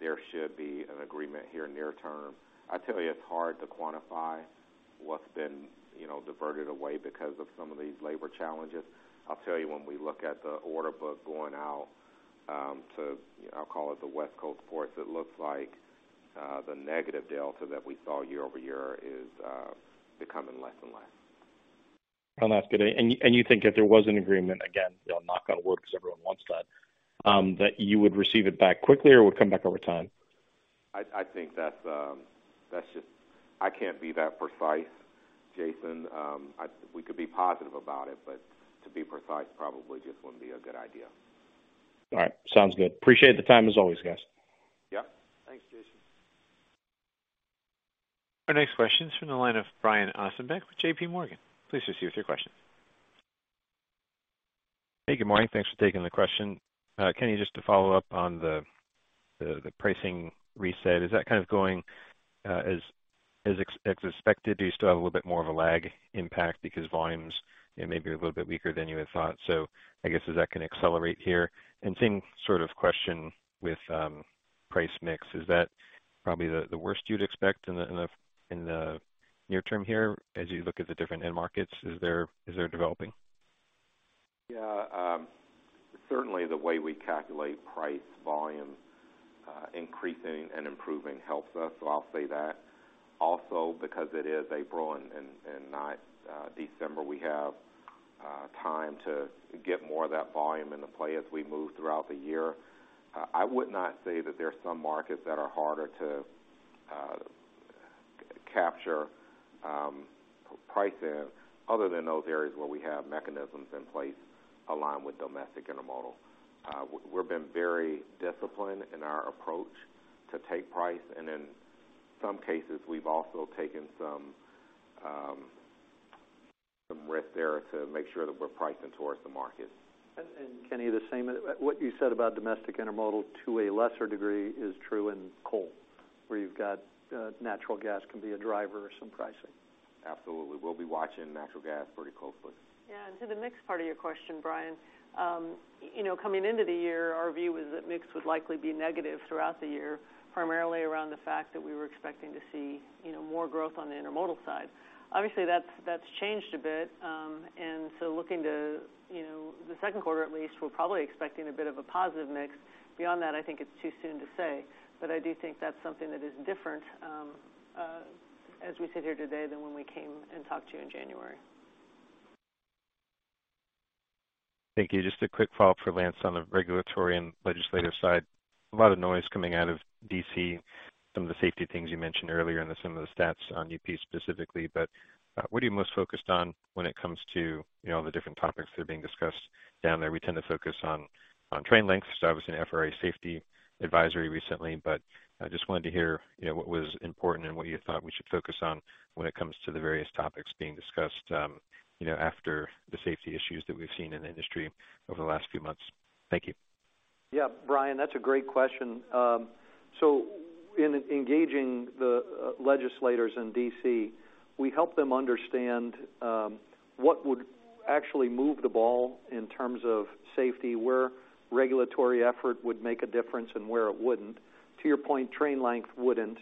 there should be an agreement here near term. I tell you, it's hard to quantify what's been diverted away because of some of these labor challenges. I'll tell you, when we look at the order book going out to, I'll call it the West Coast ports, it looks like the negative delta that we saw year-over-year is becoming less and less. That's good. And you think if there was an agreement, again knock on wood, because everyone wants that you would receive it back quickly or it would come back over time? I think that's. I can't be that precise, Jason. We could be positive about it, but to be precise probably just wouldn't be a good idea. All right. Sounds good. Appreciate the time as always, guys. Yeah. Thanks, Jason. Our next question is from the line of Brian Ossenbeck with JPMorgan. Please proceed with your question. Hey, good morning. Thanks for taking the question. Kenny, just to follow up on the pricing reset, is that going as expected? Do you still have a little bit more of a lag impact because volumes may be a little bit weaker than you had thought? I guess, is that going to accelerate here? Same question with price mix. Is that probably the worst you'd expect in the near term here as you look at the different end markets, is they're developing? Yeah, certainly the way we calculate price, volume, increasing and improving helps us. I'll say that. Also because it is April and not December, we have time to get more of that volume into play as we move throughout the year. I would not say that there are some markets that are harder to capture price in other than those areas where we have mechanisms in place aligned with domestic intermodal. We've been very disciplined in our approach to take price, and in some cases, we've also taken some risk there to make sure that we're pricing towards the market. Kenny, the same, what you said about domestic intermodal to a lesser degree is true in coal, where you've got, natural gas can be a driver of some pricing. Absolutely. We'll be watching natural gas pretty closely. Yeah. To the mix part of your question, Brian coming into the year, our view was that mix would likely be negative throughout the year, primarily around the fact that we were expecting to see more growth on the intermodal side. Obviously, that's changed a bit. Looking to the Q2 at least, we're probably expecting a bit of a positive mix. Beyond that, I think it's too soon to say, but I do think that's something that is different as we sit here today than when we came and talked to you in January. Thank you. Just a quick follow-up for Lance on the regulatory and legislative side. A lot of noise coming out of D.C., some of the safety things you mentioned earlier and some of the stats on UP specifically. What are you most focused on when it comes to the different topics that are being discussed down there? We tend to focus on train length, so obviously, FRA Safety Advisory recently, but I just wanted to hear what was important and what you thought we should focus on when it comes to the various topics being discussed after the safety issues that we've seen in the industry over the last few months. Thank you. Brian, that's a great question. So in engaging the legislators in D.C., we help them understand what would actually move the ball in terms of safety, where regulatory effort would make a difference and where it wouldn't. To your point, train length wouldn't.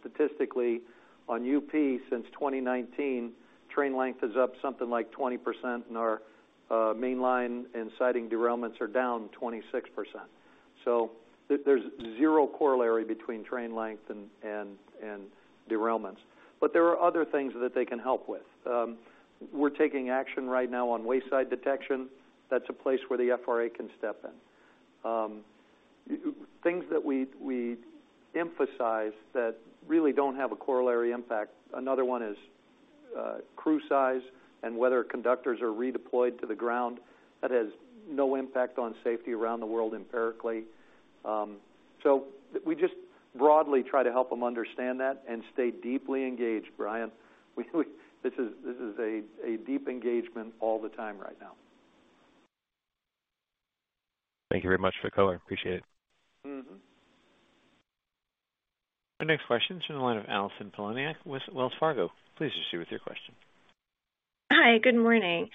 Statistically, on UP since 2019, train length is up something like 20% and our main line and siding derailments are down 26%. There's zero corollary between train length and derailments. There are other things that they can help with. We're taking action right now on wayside detection. That's a place where the FRA can step in. Things that we emphasize that really don't have a corollary impact, another one is crew size and whether conductors are redeployed to the ground. That has no impact on safety around the world empirically. We just broadly try to help them understand that and stay deeply engaged, Brian. We this is a deep engagement all the time right now. Thank you very much for the color. Appreciate it. Our next question is from the line of Allison Poloniak with Wells Fargo. Please proceed with your question. Hi. Good morning.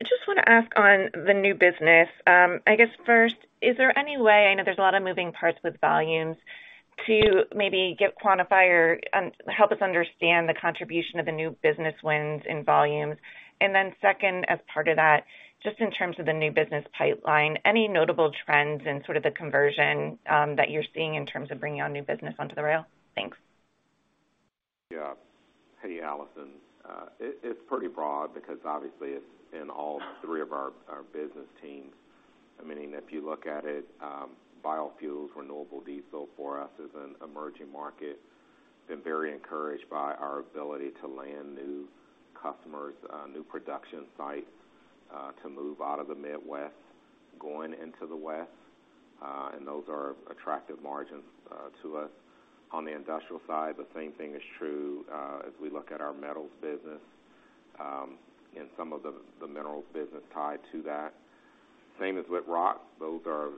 I just wanna ask on the new business. I guess first, is there any way, I know there's a lot of moving parts with volumes, to maybe give quantifier and help us understand the contribution of the new business wins in volumes? Then second, as part of that, just in terms of the new business pipeline, any notable trends in the conversion, that you're seeing in terms of bringing on new business onto the rail? Thanks. Yeah. Hey, Allison. It's pretty broad because obviously it's in all three of our business teams, meaning if you look at it, biofuels, renewable diesel for us is an emerging market. Been very encouraged by our ability to land new customers, new production sites, to move out of the Midwest, going into the West, and those are attractive margins to us. On the industrial side, the same thing is true, as we look at our metals business, and some of the minerals business tied to that. Same as with rocks. Those are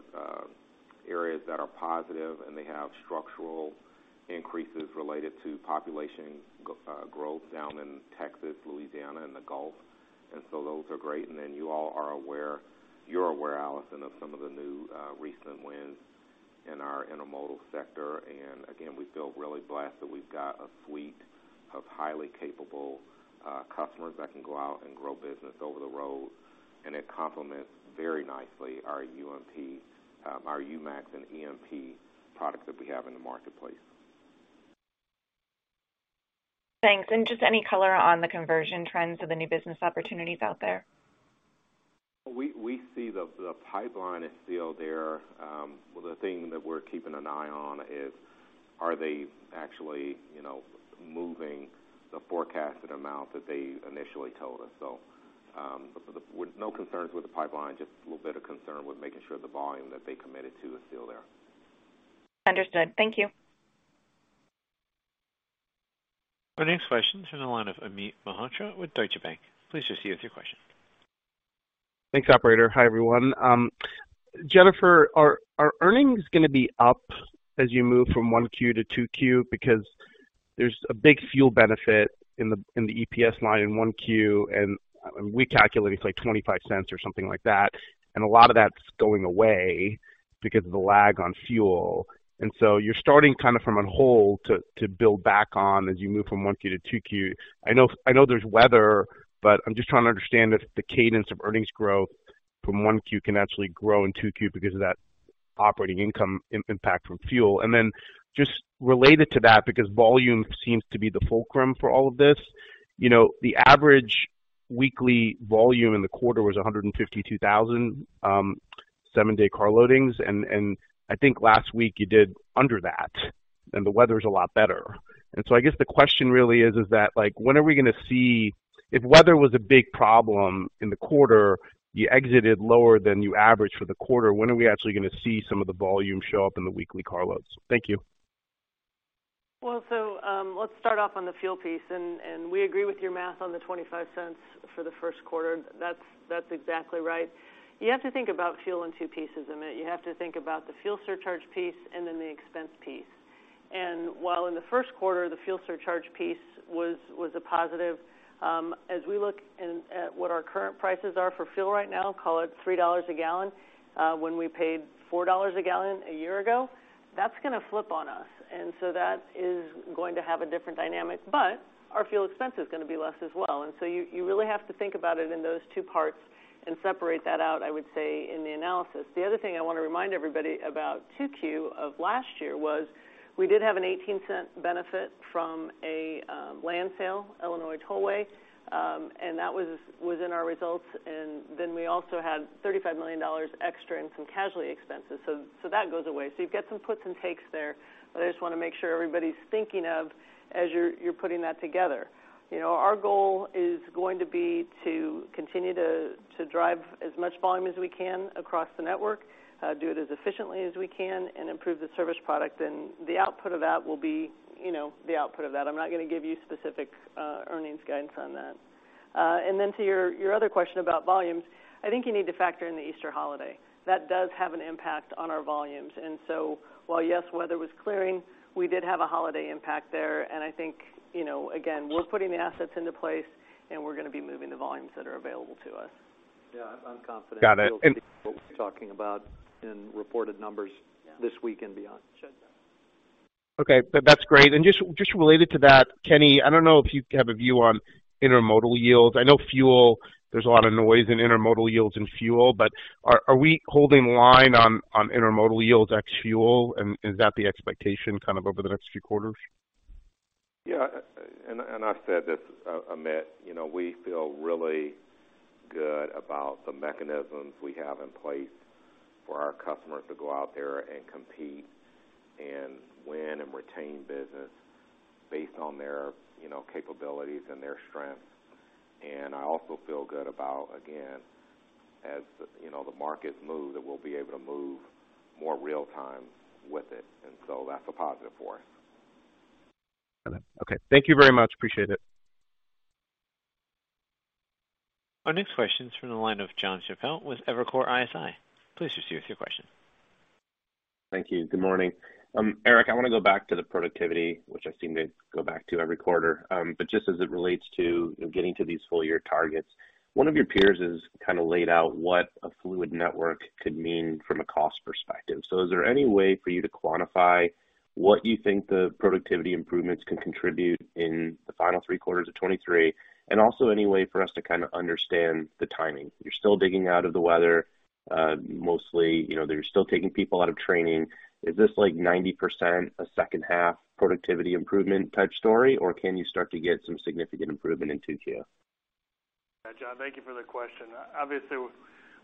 areas that are positive, and they have structural increases related to population growth down in Texas, Louisiana, and the Gulf. Those are great. You're aware, Allison, of some of the new, recent wins in our intermodal sector. We feel really blessed that we've got a fleet of highly capable customers that can go out and grow business over the road, and it complements very nicely our UMAX, our UMAX and EMP products that we have in the marketplace. Thanks. Just any color on the conversion trends of the new business opportunities out there? We see the pipeline is still there. The thing that we're keeping an eye on is, are they actually moving the forecasted amount that they initially told us? With no concerns with the pipeline, just a little bit of concern with making sure the volume that they committed to is still there. Understood. Thank you. Our next question is in the line of Amit Malhotra with Deutsche Bank. Please proceed with your question. Thanks, operator. Hi, everyone. Jennifer, are earnings gonna be up as you move from one Q to two Q? There's a big fuel benefit in the, in the EPS line in one Q, and, I mean, we calculate it's like $0.25 or something like that. A lot of that's going away because of the lag on fuel. So you're starting from a hole to build back on as you move from one Q to two Q. I know there's weather, I'm just trying to understand if the cadence of earnings growth from one Q can actually grow in two Q because of that operating income impact from fuel. Just related to that, because volume seems to be the fulcrum for all of this the average weekly volume in the quarter was 152,000 seven-day car loadings. I think last week you did under that, and the weather's a lot better. I guess the question really is that, like, if weather was a big problem in the quarter, you exited lower than you averaged for the quarter, when are we actually gonna see some of the volume show up in the weekly car loads? Thank you. Well, let's start off on the fuel piece. And we agree with your math on the $0.25 for the Q1. That's exactly right. You have to think about fuel in two pieces, Amit. You have to think about the fuel surcharge piece and then the expense piece. While in the Q1, the fuel surcharge piece was a positive, as we look at what our current prices are for fuel right now, call it $3 a gallon, when we paid $4 a gallon a year ago, that's gonna flip on us. That is going to have a different dynamic, but our fuel expense is gonna be less as well. You really have to think about it in those two parts and separate that out, I would say, in the analysis. The other thing I wanna remind everybody about 2Q of last year was we did have a $0.18 benefit from a land sale, Illinois Tollway, that was in our results. We also had $35 million extra in some casualty expenses, that goes away. You've got some puts and takes there, but I just wanna make sure everybody's thinking of as you're putting that together. Our goal is going to be to continue to drive as much volume as we can across the network, do it as efficiently as we can and improve the service product. The output of that will be the output of that. I'm not gonna give you specific earnings guidance on that. to your other question about volumes, I think you need to factor in the Easter holiday. That does have an impact on our volumes. while, yes, weather was clearing, we did have a holiday impact there. I think again, we're putting the assets into place, and we're gonna be moving the volumes that are available to us. Yeah, I'm confident. Got it. -talking about in reported numbers this week and beyond. Sure. Okay. That's great. Just related to that, Kenny, I don't know if you have a view on intermodal yields? I know fuel, there's a lot of noise in intermodal yields and fuel. Are we holding the line on intermodal yields ex fuel? Is that the expectation over the next few quarters? Yeah. And I said this, amit we feel really good about the mechanisms we have in place for our customers to go out there and compete and win and retain business based on their capabilities and their strengths. I also feel good about, again, as the the markets move, that we'll be able to move more real time with it, and so that's a positive for us. Got it. Okay. Thank you very much. Appreciate it. Our next question is from the line of Jonathan Chappell with Evercore ISI. Please proceed with your question. Thank you. Good morning. Eric, I wanna go back to the productivity, which I seem to go back to every quarter. Just as it relates to getting to these full year targets, one of your peers has kinda laid out what a fluid network could mean from a cost perspective. Is there any way for you to quantify what you think the productivity improvements can contribute in the final three quarters of 23? Also, any way for us to kinda understand the timing. You're still digging out of the weather, mostly. They're still taking people out of training. Is this like 90% a second half productivity improvement type story, or can you start to get some significant improvement in 2Q? Yeah. John, thank you for the question. Obviously,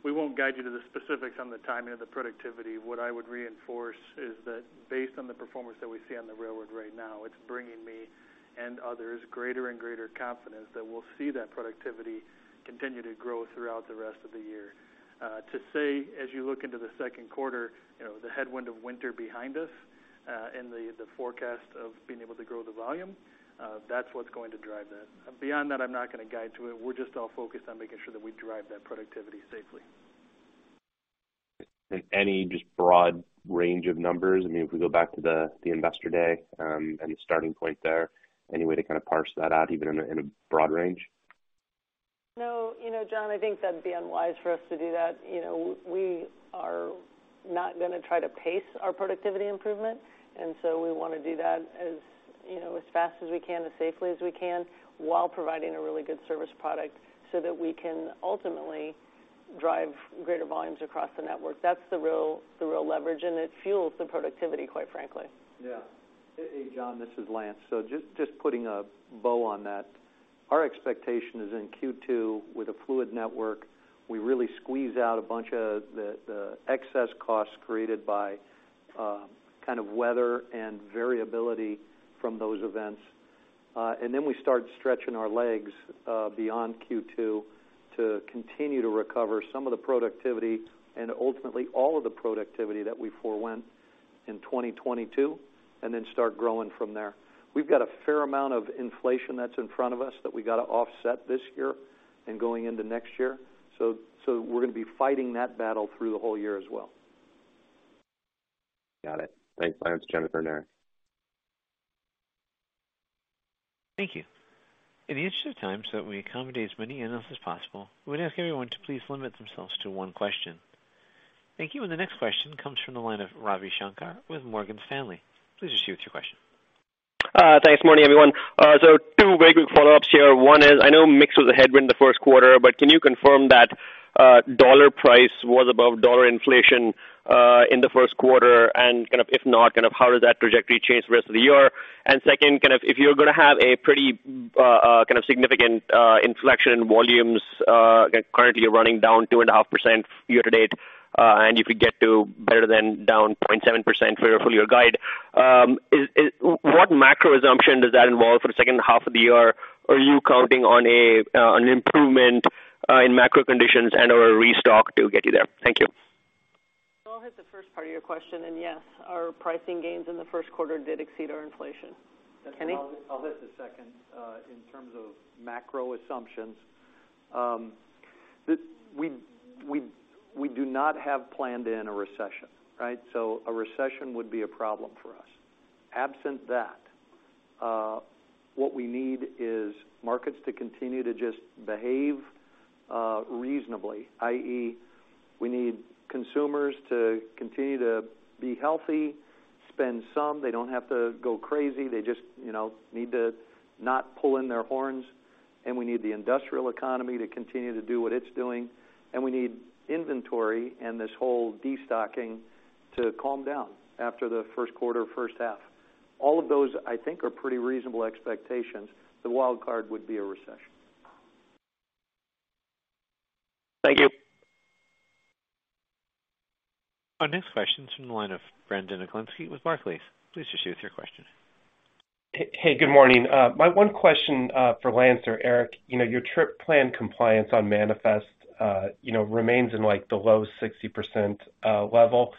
we won't guide you to the specifics on the timing of the productivity. What I would reinforce is that based on the performance that we see on the railroad right now, it's bringing me and others greater and greater confidence that we'll see that productivity continue to grow throughout the rest of the year. To say, as you look into the Q2 the headwind of winter behind us, and the forecast of being able to grow the volume, that's what's going to drive that. Beyond that, I'm not gonna guide to it. We're just all focused on making sure that we drive that productivity safely. Any just broad range of numbers? I mean, if we go back to the investor day, and the starting point there, any way to parse that out even in a, in a broad range? No. John, I think that'd be unwise for us to do that. We are not gonna try to pace our productivity improvement, and so we wanna do that as as fast as we can, as safely as we can, while providing a really good service product so that we can ultimately drive greater volumes across the network. That's the real leverage, and it fuels the productivity, quite frankly. Hey, John, this is Lance. Just putting a bow on that, our expectation is in Q2 with a fluid network, we really squeeze out a bunch of the excess costs created by weather and variability from those events. Then we start stretching our legs beyond Q2 to continue to recover some of the productivity and ultimately all of the productivity that we forewent. In 2022, then start growing from there. We've got a fair amount of inflation that's in front of us that we gotta offset this year and going into next year. We're gonna be fighting that battle through the whole year as well. Got it. Thanks, Lance, Jennifer and Eric. Thank you. In the interest of time, so that we accommodate as many analysts as possible, we would ask everyone to please limit themselves to one question. Thank you. The next question comes from the line of Ravi Shanker with Morgan Stanley. Please proceed with your question. Thanks, morning, everyone. Two very quick follow-ups here. One is, I know mix was a headwind the Q1, can you confirm that dollar price was above dollar inflation in the Q1? if not, how does that trajectory change the rest of the year? Second, if you're gonna have a pretty, significant inflection in volumes, currently you're running down 2.5% year-to-date, and you could get to better than down 0.7% for your full year guide. What macro assumption does that involve for the second half of the year? Are you counting on an improvement in macro conditions and/or a restock to get you there? Thank you. I'll hit the first part of your question. Yes, our pricing gains in the Q1 did exceed our inflation. Kenny? I'll hit the second. In terms of macro assumptions, we do not have planned in a recession, right? A recession would be a problem for us. Absent that, what we need is markets to continue to just behave reasonably, i.e., we need consumers to continue to be healthy, spend some, they don't have to go crazy, they just need to not pull in their horns. We need the industrial economy to continue to do what it's doing. We need inventory and this whole destocking to calm down after the Q1, first half. All of those, I think, are pretty reasonable expectations. The wild card would be a recession. Thank you. Our next question is from the line of Brandon Oglenski with Barclays. Please proceed with your question. Hey, good morning. My one question, for Lance or eric your trip plan compliance on manifest remains in like the low 60%, level.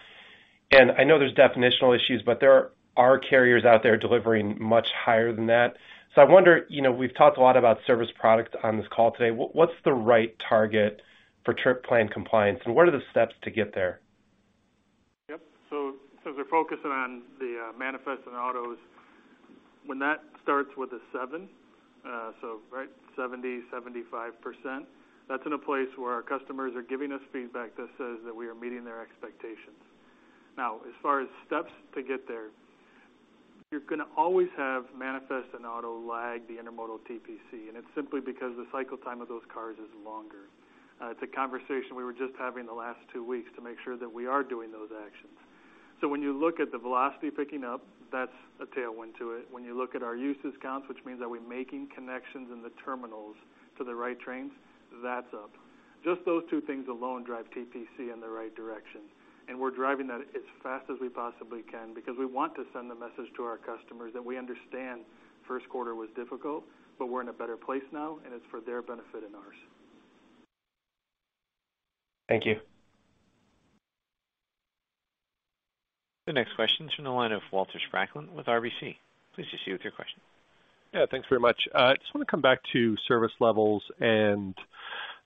I know there's definitional issues, but there are carriers out there delivering much higher than that. I wonder we've talked a lot about service products on this call today. What's the right target for trip plan compliance, and what are the steps to get there? Yep. As we're focusing on the manifest and autos, when that starts with a 7, 70%-75%, that's in a place where our customers are giving us feedback that says that we are meeting their expectations. Now, as far as steps to get there, you're gonna always have manifest and auto lag the intermodal TPC, and it's simply because the cycle time of those cars is longer. It's a conversation we were just having the last 2 weeks to make sure that we are doing those actions. When you look at the velocity picking up, that's a tailwind to it. When you look at our use discounts, which means that we're making connections in the terminals to the right trains, that's up. Just those two things alone drive TPC in the right direction, and we're driving that as fast as we possibly can because we want to send the message to our customers that we understand Q1 was difficult, but we're in a better place now, and it's for their benefit and ours. Thank you. The next question's from the line of Walter Spracklin with RBC. Please proceed with your question. Yeah, thanks very much. Just wanna come back to service levels and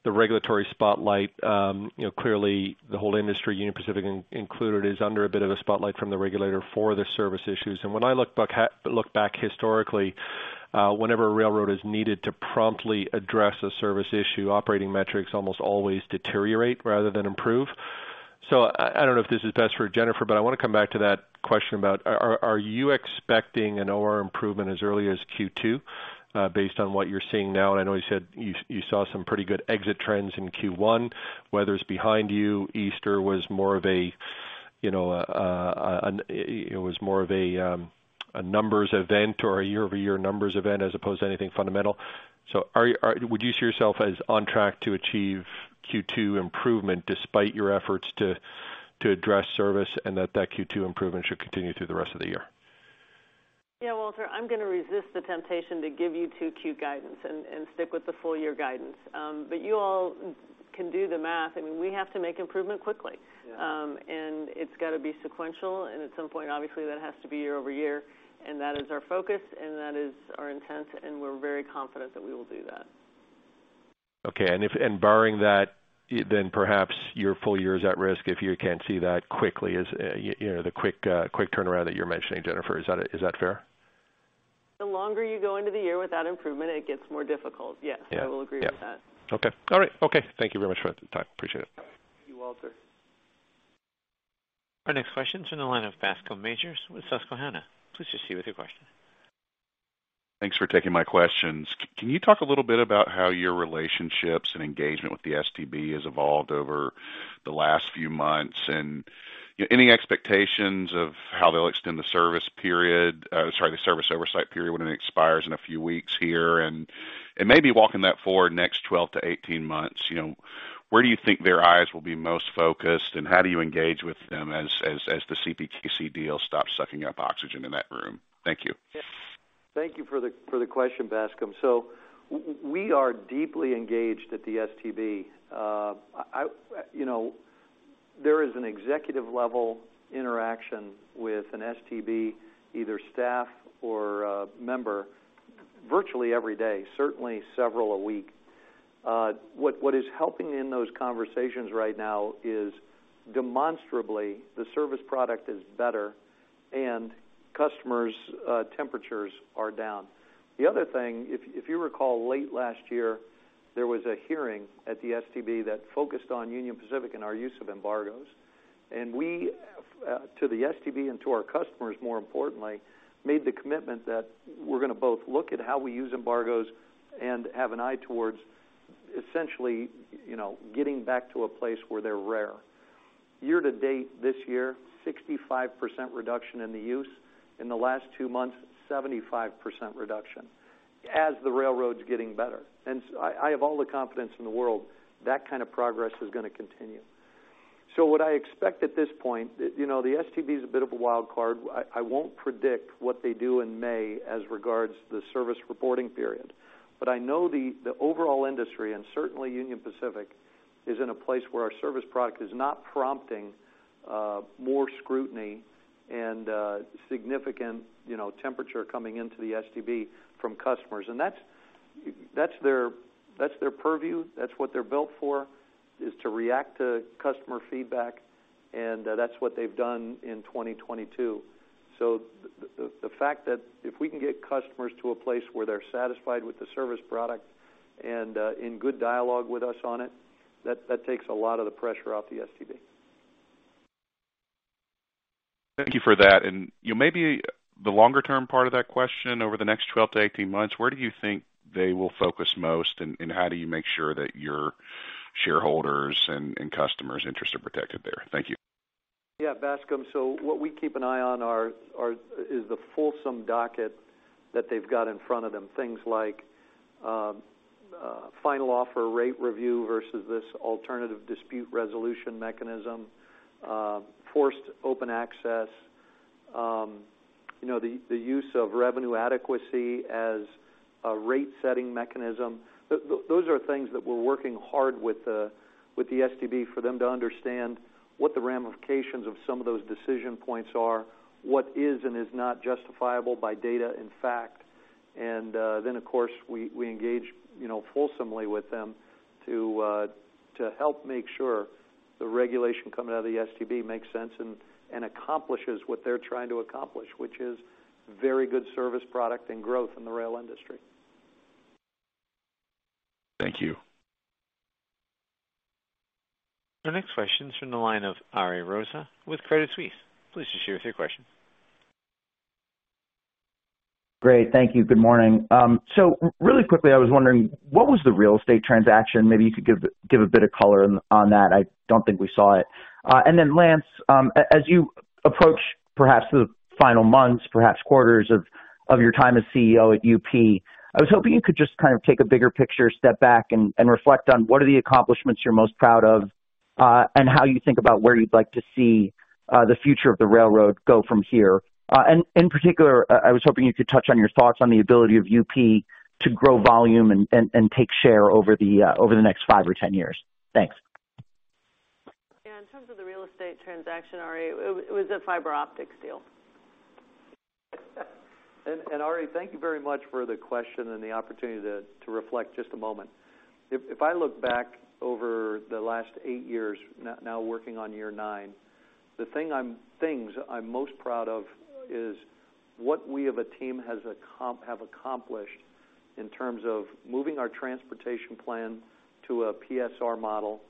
the regulatory spotlight. Clearly the whole industry, Union Pacific included, is under a bit of a spotlight from the regulator for their service issues. When I look back historically, whenever a railroad is needed to promptly address a service issue, operating metrics almost always deteriorate rather than improve. I don't know if this is best for Jennifer, but I wanna come back to that question about are you expecting an OR improvement as early as Q2, based on what you're seeing now? I know you said you saw some pretty good exit trends in Q1, whether it's behind you, Easter was more of a it was more of a numbers event or a year-over-year numbers event as opposed to anything fundamental. Would you see yourself as on track to achieve Q2 improvement despite your efforts to address service and that Q2 improvement should continue through the rest of the year? Yeah, Walter, I'm gonna resist the temptation to give you too cute guidance and stick with the full year guidance. You all can do the math. I mean, we have to make improvement quickly. It's gotta be sequential. At some point, obviously, that has to be year-over-year, and that is our focus, and that is our intent, and we're very confident that we will do that. Okay. Barring that, then perhaps your full year is at risk if you can't see that quickly. is the quick quick turnaround that you're mentioning, Jennifer, is that fair? The longer you go into the year without improvement, it gets more difficult. Yes, I will agree with that. Yeah. Okay. All right. Okay. Thank you very much for the time. Appreciate it. Thank you, Walter. Our next question is from the line of Bascom Majors with Susquehanna. Please proceed with your question. Thanks for taking my questions. Can you talk a little bit about how your relationships and engagement with the STB has evolved over the last few months? and any expectations of how they'll extend the service period, sorry, the service oversight period when it expires in a few weeks here? And, and maybe walking that forward next 12 to 18 months where do you think their eyes will be most focused, and how do you engage with them as the CPKC deal stops sucking up oxygen in that room? Thank you. Thank you for the question, Bascome. We are deeply engaged at the STB. i there is an executive level interaction with an STB, either staff or member virtually every day, certainly several a week. What is helping in those conversations right now is demonstrably the service product is better and customers' temperatures are down. The other thing, if you recall, late last year, there was a hearing at the STB that focused on Union Pacific and our use of embargoes. We to the STB and to our customers, more importantly, made the commitment that we're gonna both look at how we use embargoes and have an eye towards essentially getting back to a place where they're rare. Year to date this year, 65% reduction in the use. In the last two months, 75% reduction as the railroad's getting better. I have all the confidence in the world that progress is gonna continue. What I expect at this point the STB is a bit of a wild card. I won't predict what they do in May as regards to the service reporting period. I know the overall industry, and certainly Union Pacific, is in a place where our service product is not prompting more scrutiny and significant temperature coming into the STB from customers. That's their purview. That's what they're built for, is to react to customer feedback, and that's what they've done in 2022. The fact that if we can get customers to a place where they're satisfied with the service product and in good dialogue with us on it, that takes a lot of the pressure off the STB. Thank you for that. Maybe the longer term part of that question over the next 12 to 18 months, where do you think they will focus most, and how do you make sure that your shareholders and customers' interests are protected there? Thank you. Bascome, what we keep an eye on is the fulsome docket that they've got in front of them, things like, Final Offer Rate Review versus this alternative dispute resolution mechanism, forced open access the use of revenue adequacy as a rate setting mechanism. Those are things that we're working hard with the STB for them to understand what the ramifications of some of those decision points are, what is and is not justifiable by data and fact. Of course, we engage fulsomely with them to help make sure the regulation coming out of the STB makes sense and accomplishes what they're trying to accomplish, which is very good service product and growth in the rail industry. Thank you. The next question is from the line of Ariel Rosa with Credit Suisse. Please just share us your question. Great. Thank you. Good morning. I was wondering, what was the real estate transaction? Maybe you could give a bit of color on that. I don't think we saw it. Lance, as you approach perhaps the final months, perhaps quarters of your time as CEO at UP, I was hoping you could just take a bigger picture, step back and reflect on what are the accomplishments you're most proud of, and how you think about where you'd like to see the future of the railroad go from here. In particular, I was hoping you could touch on your thoughts on the ability of UP to grow volume and take share over the next 5 or 10 years. Thanks. Yeah. In terms of the real estate transaction, Ari, it was a fiber optics deal. Ari, thank you very much for the question and the opportunity to reflect just a moment. If I look back over the last eight years now working on year nine, the things I'm most proud of is what we as a team have accomplished in terms of moving our transportation plan to a PSR model,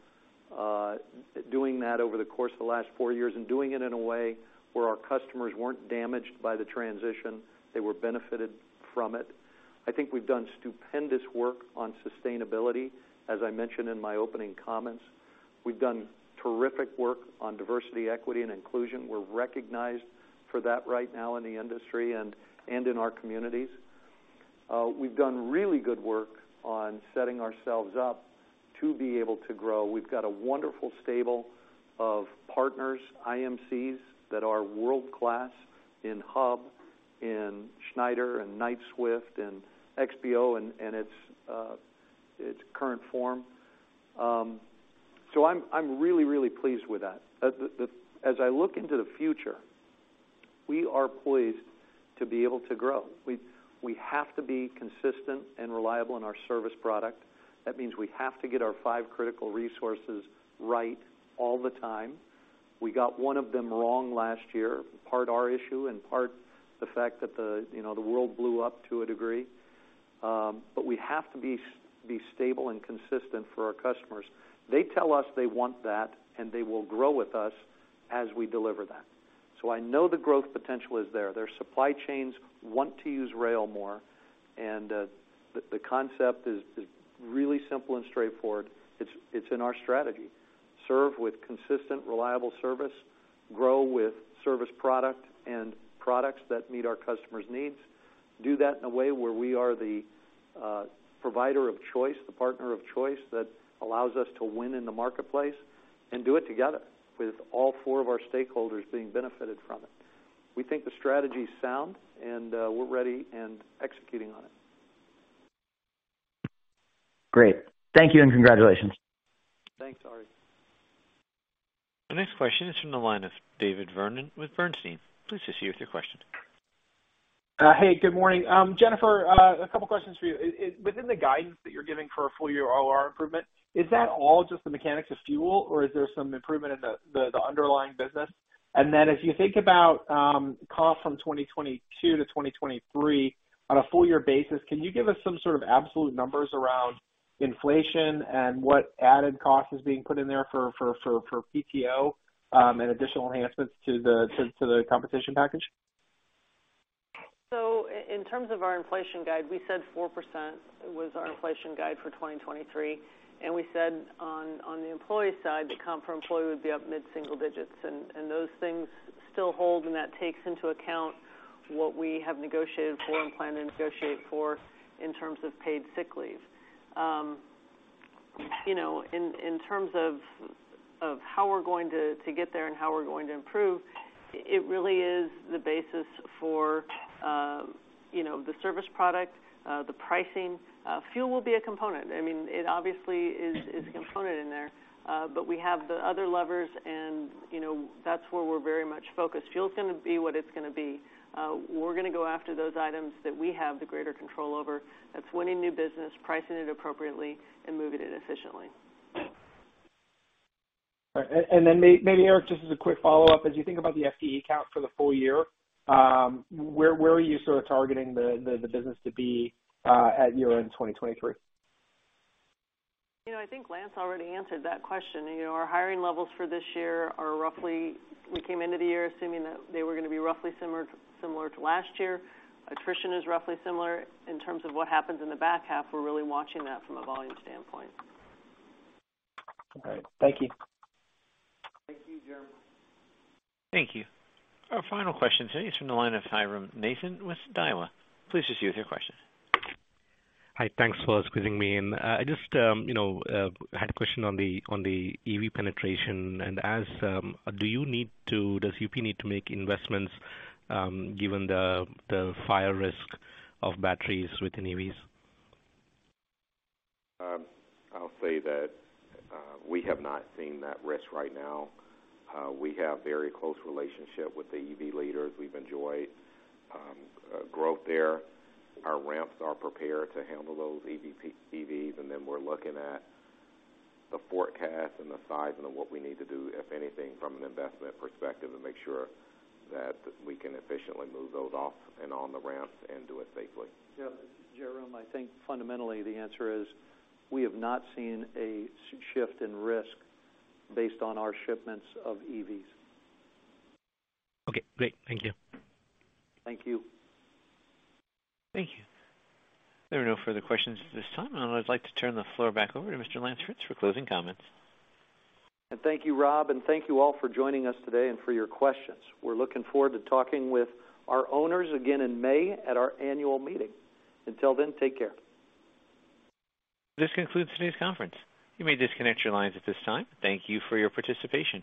doing that over the course of the last four years and doing it in a way where our customers weren't damaged by the transition, they were benefited from it. I think we've done stupendous work on sustainability, as I mentioned in my opening comments. We've done terrific work on diversity, equity, and inclusion. We're recognized for that right now in the industry and in our communities. We've done really good work on setting ourselves up to be able to grow. We've got a wonderful stable of partners, IMCs that are world-class in Hub, in Schneider, and Knight-Swift, and XPO in its current form. I'm really, really pleased with that. As I look into the future, we are poised to be able to grow. We have to be consistent and reliable in our service product. That means we have to get our five critical resources right all the time. We got one of them wrong last year, part our issue and part the fact that the the world blew up to a degree. We have to be stable and consistent for our customers. They tell us they want that, they will grow with us as we deliver that. I know the growth potential is there. Their supply chains want to use rail more, and the concept is really simple and straightforward. It's in our strategy. Serve with consistent, reliable service, grow with service product and products that meet our customers' needs. Do that in a way where we are the provider of choice, the partner of choice that allows us to win in the marketplace and do it together with all four of our stakeholders being benefited from it. We think the strategy is sound, and we're ready and executing on it. Great. Thank you and congratulations. Thanks, Ari. The next question is from the line of David Vernon with Bernstein. Please just see with your question. Hey, good morning. Jennifer, a couple questions for you. Is within the guidance that you're giving for a full year OR improvement, is that all just the mechanics of fuel or is there some improvement in the underlying business? If you think about, comp from 2022 to 2023 on a full year basis, can you give us some absolute numbers around inflation and what added cost is being put in there for PTO, and additional enhancements to the competition package? In terms of our inflation guide, we said 4% was our inflation guide for 2023, and we said on the employee side, the comp for employee would be up mid-single digits. Those things still hold, and that takes into account what we have negotiated for and plan to negotiate for in terms of paid sick leave. In terms of how we're going to get there and how we're going to improve, it really is the basis for the service product, the pricing. Fuel will be a component. I mean, it obviously is a component in there, but we have the other levers and that's where we're very much focused. Fuel's gonna be what it's gonna be. We're going to go after those items that we have the greater control over. That's winning new business, pricing it appropriately and moving it efficiently. All right. Then maybe, Eric, just as a quick follow-up, as you think about the FTE count for the full year, where are you targeting the business to be, at year-end 2023? I think Lance already answered that question. We came into the year assuming that they were gonna be roughly similar to last year. Attrition is roughly similar. In terms of what happens in the back half, we're really watching that from a volume standpoint. All right. Thank you. Thank you, Vernon. Thank you. Our final question today is from the line of ram Nathan with Daiwa. Please just give us your question. Hi. Thanks for squeezing me in. I just had a question on the EV penetration. Does UP need to make investments, given the fire risk of batteries within EVs? I'll say that we have not seen that risk right now. We have very close relationship with the EV leaders. We've enjoyed growth there. Our ramps are prepared to handle those EVs, and then we're looking at the forecast and the sizing of what we need to do, if anything, from an investment perspective, and make sure that we can efficiently move those off and on the ramps and do it safely. Yeah. Hiram, I think fundamentally the answer is we have not seen a shift in risk based on our shipments of EVs. Okay, great. Thank you. Thank you. Thank you. There are no further questions at this time, and I would like to turn the floor back over to Mr. Lance Fritz for closing comments. Thank you, Rob, and thank you all for joining us today and for your questions. We're looking forward to talking with our owners again in May at our annual meeting. Until then, take care. This concludes today's conference. You may disconnect your lines at this time. Thank you for your participation.